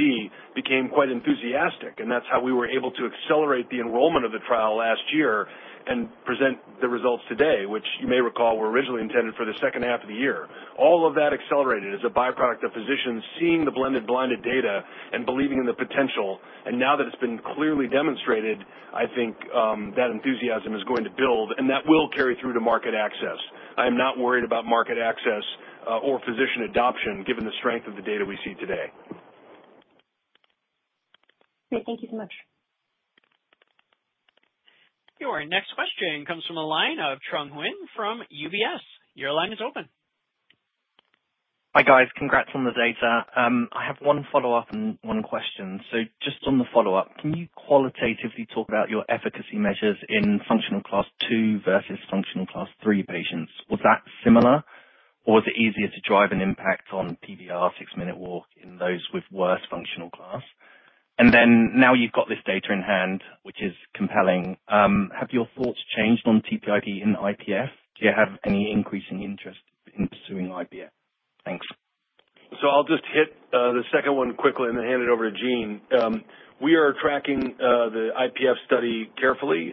became quite enthusiastic. That's how we were able to accelerate the enrollment of the trial last year and present the results today, which you may recall were originally intended for the second half of the year. All of that accelerated as a byproduct of physicians seeing the blended-blinded data and believing in the potential. Now that it's been clearly demonstrated, I think that enthusiasm is going to build, and that will carry through to market access. I am not worried about market access or physician adoption given the strength of the data we see today. Great. Thank you so much. Your next question comes from a line of Trung Huynh from UBS. Your line is open. Hi, guys. Congrats on the data. I have one follow-up and one question. Just on the follow-up, can you qualitatively talk about your efficacy measures in functional class two versus functional class three patients? Was that similar, or was it easier to drive an impact on PVR six-minute walk in those with worse functional class? Now you've got this data in hand, which is compelling. Have your thoughts changed on TPIP in IPF? Do you have any increasing interest in pursuing IPF? Thanks. I'll just hit the second one quickly and then hand it over to Gene. We are tracking the IPF study carefully.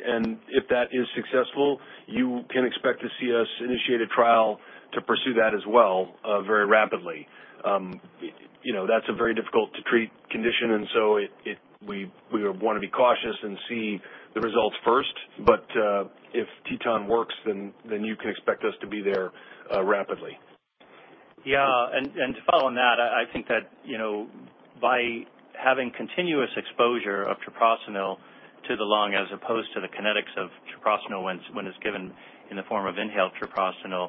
If that is successful, you can expect to see us initiate a trial to pursue that as well very rapidly. That's a very difficult-to-treat condition. We want to be cautious and see the results first. If Teton works, then you can expect us to be there rapidly. Yeah. To follow on that, I think that by having continuous exposure of treprostinil to the lung as opposed to the kinetics of treprostinil when it's given in the form of inhaled treprostinil,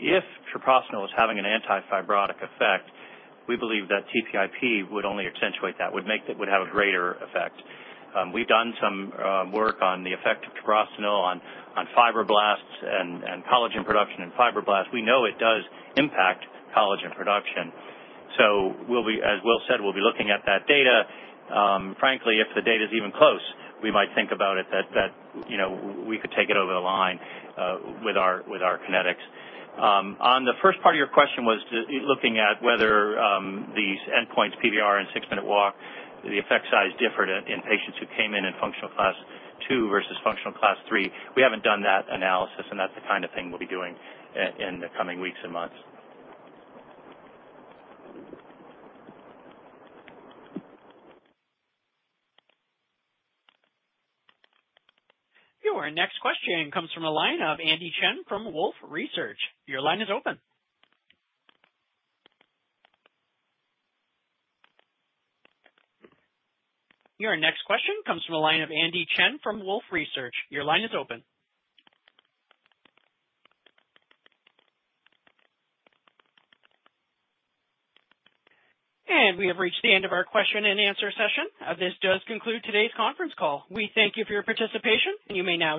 if treprostinil is having an antifibrotic effect, we believe that TPIP would only accentuate that, would have a greater effect. We've done some work on the effect of treprostinil on fibroblasts and collagen production in fibroblasts. We know it does impact collagen production. As Will said, we'll be looking at that data. Frankly, if the data is even close, we might think about it that we could take it over the line with our kinetics. The first part of your question was looking at whether these endpoints, PVR and six-minute walk, the effect size differed in patients who came in in functional class two versus functional class three. We haven't done that analysis. That's the kind of thing we'll be doing in the coming weeks and months. Your next question comes from a line of Andy Chen from Wolfe Research. Your line is open. We have reached the end of our question and answer session. This does conclude today's conference call. We thank you for your participation. You may now disconnect.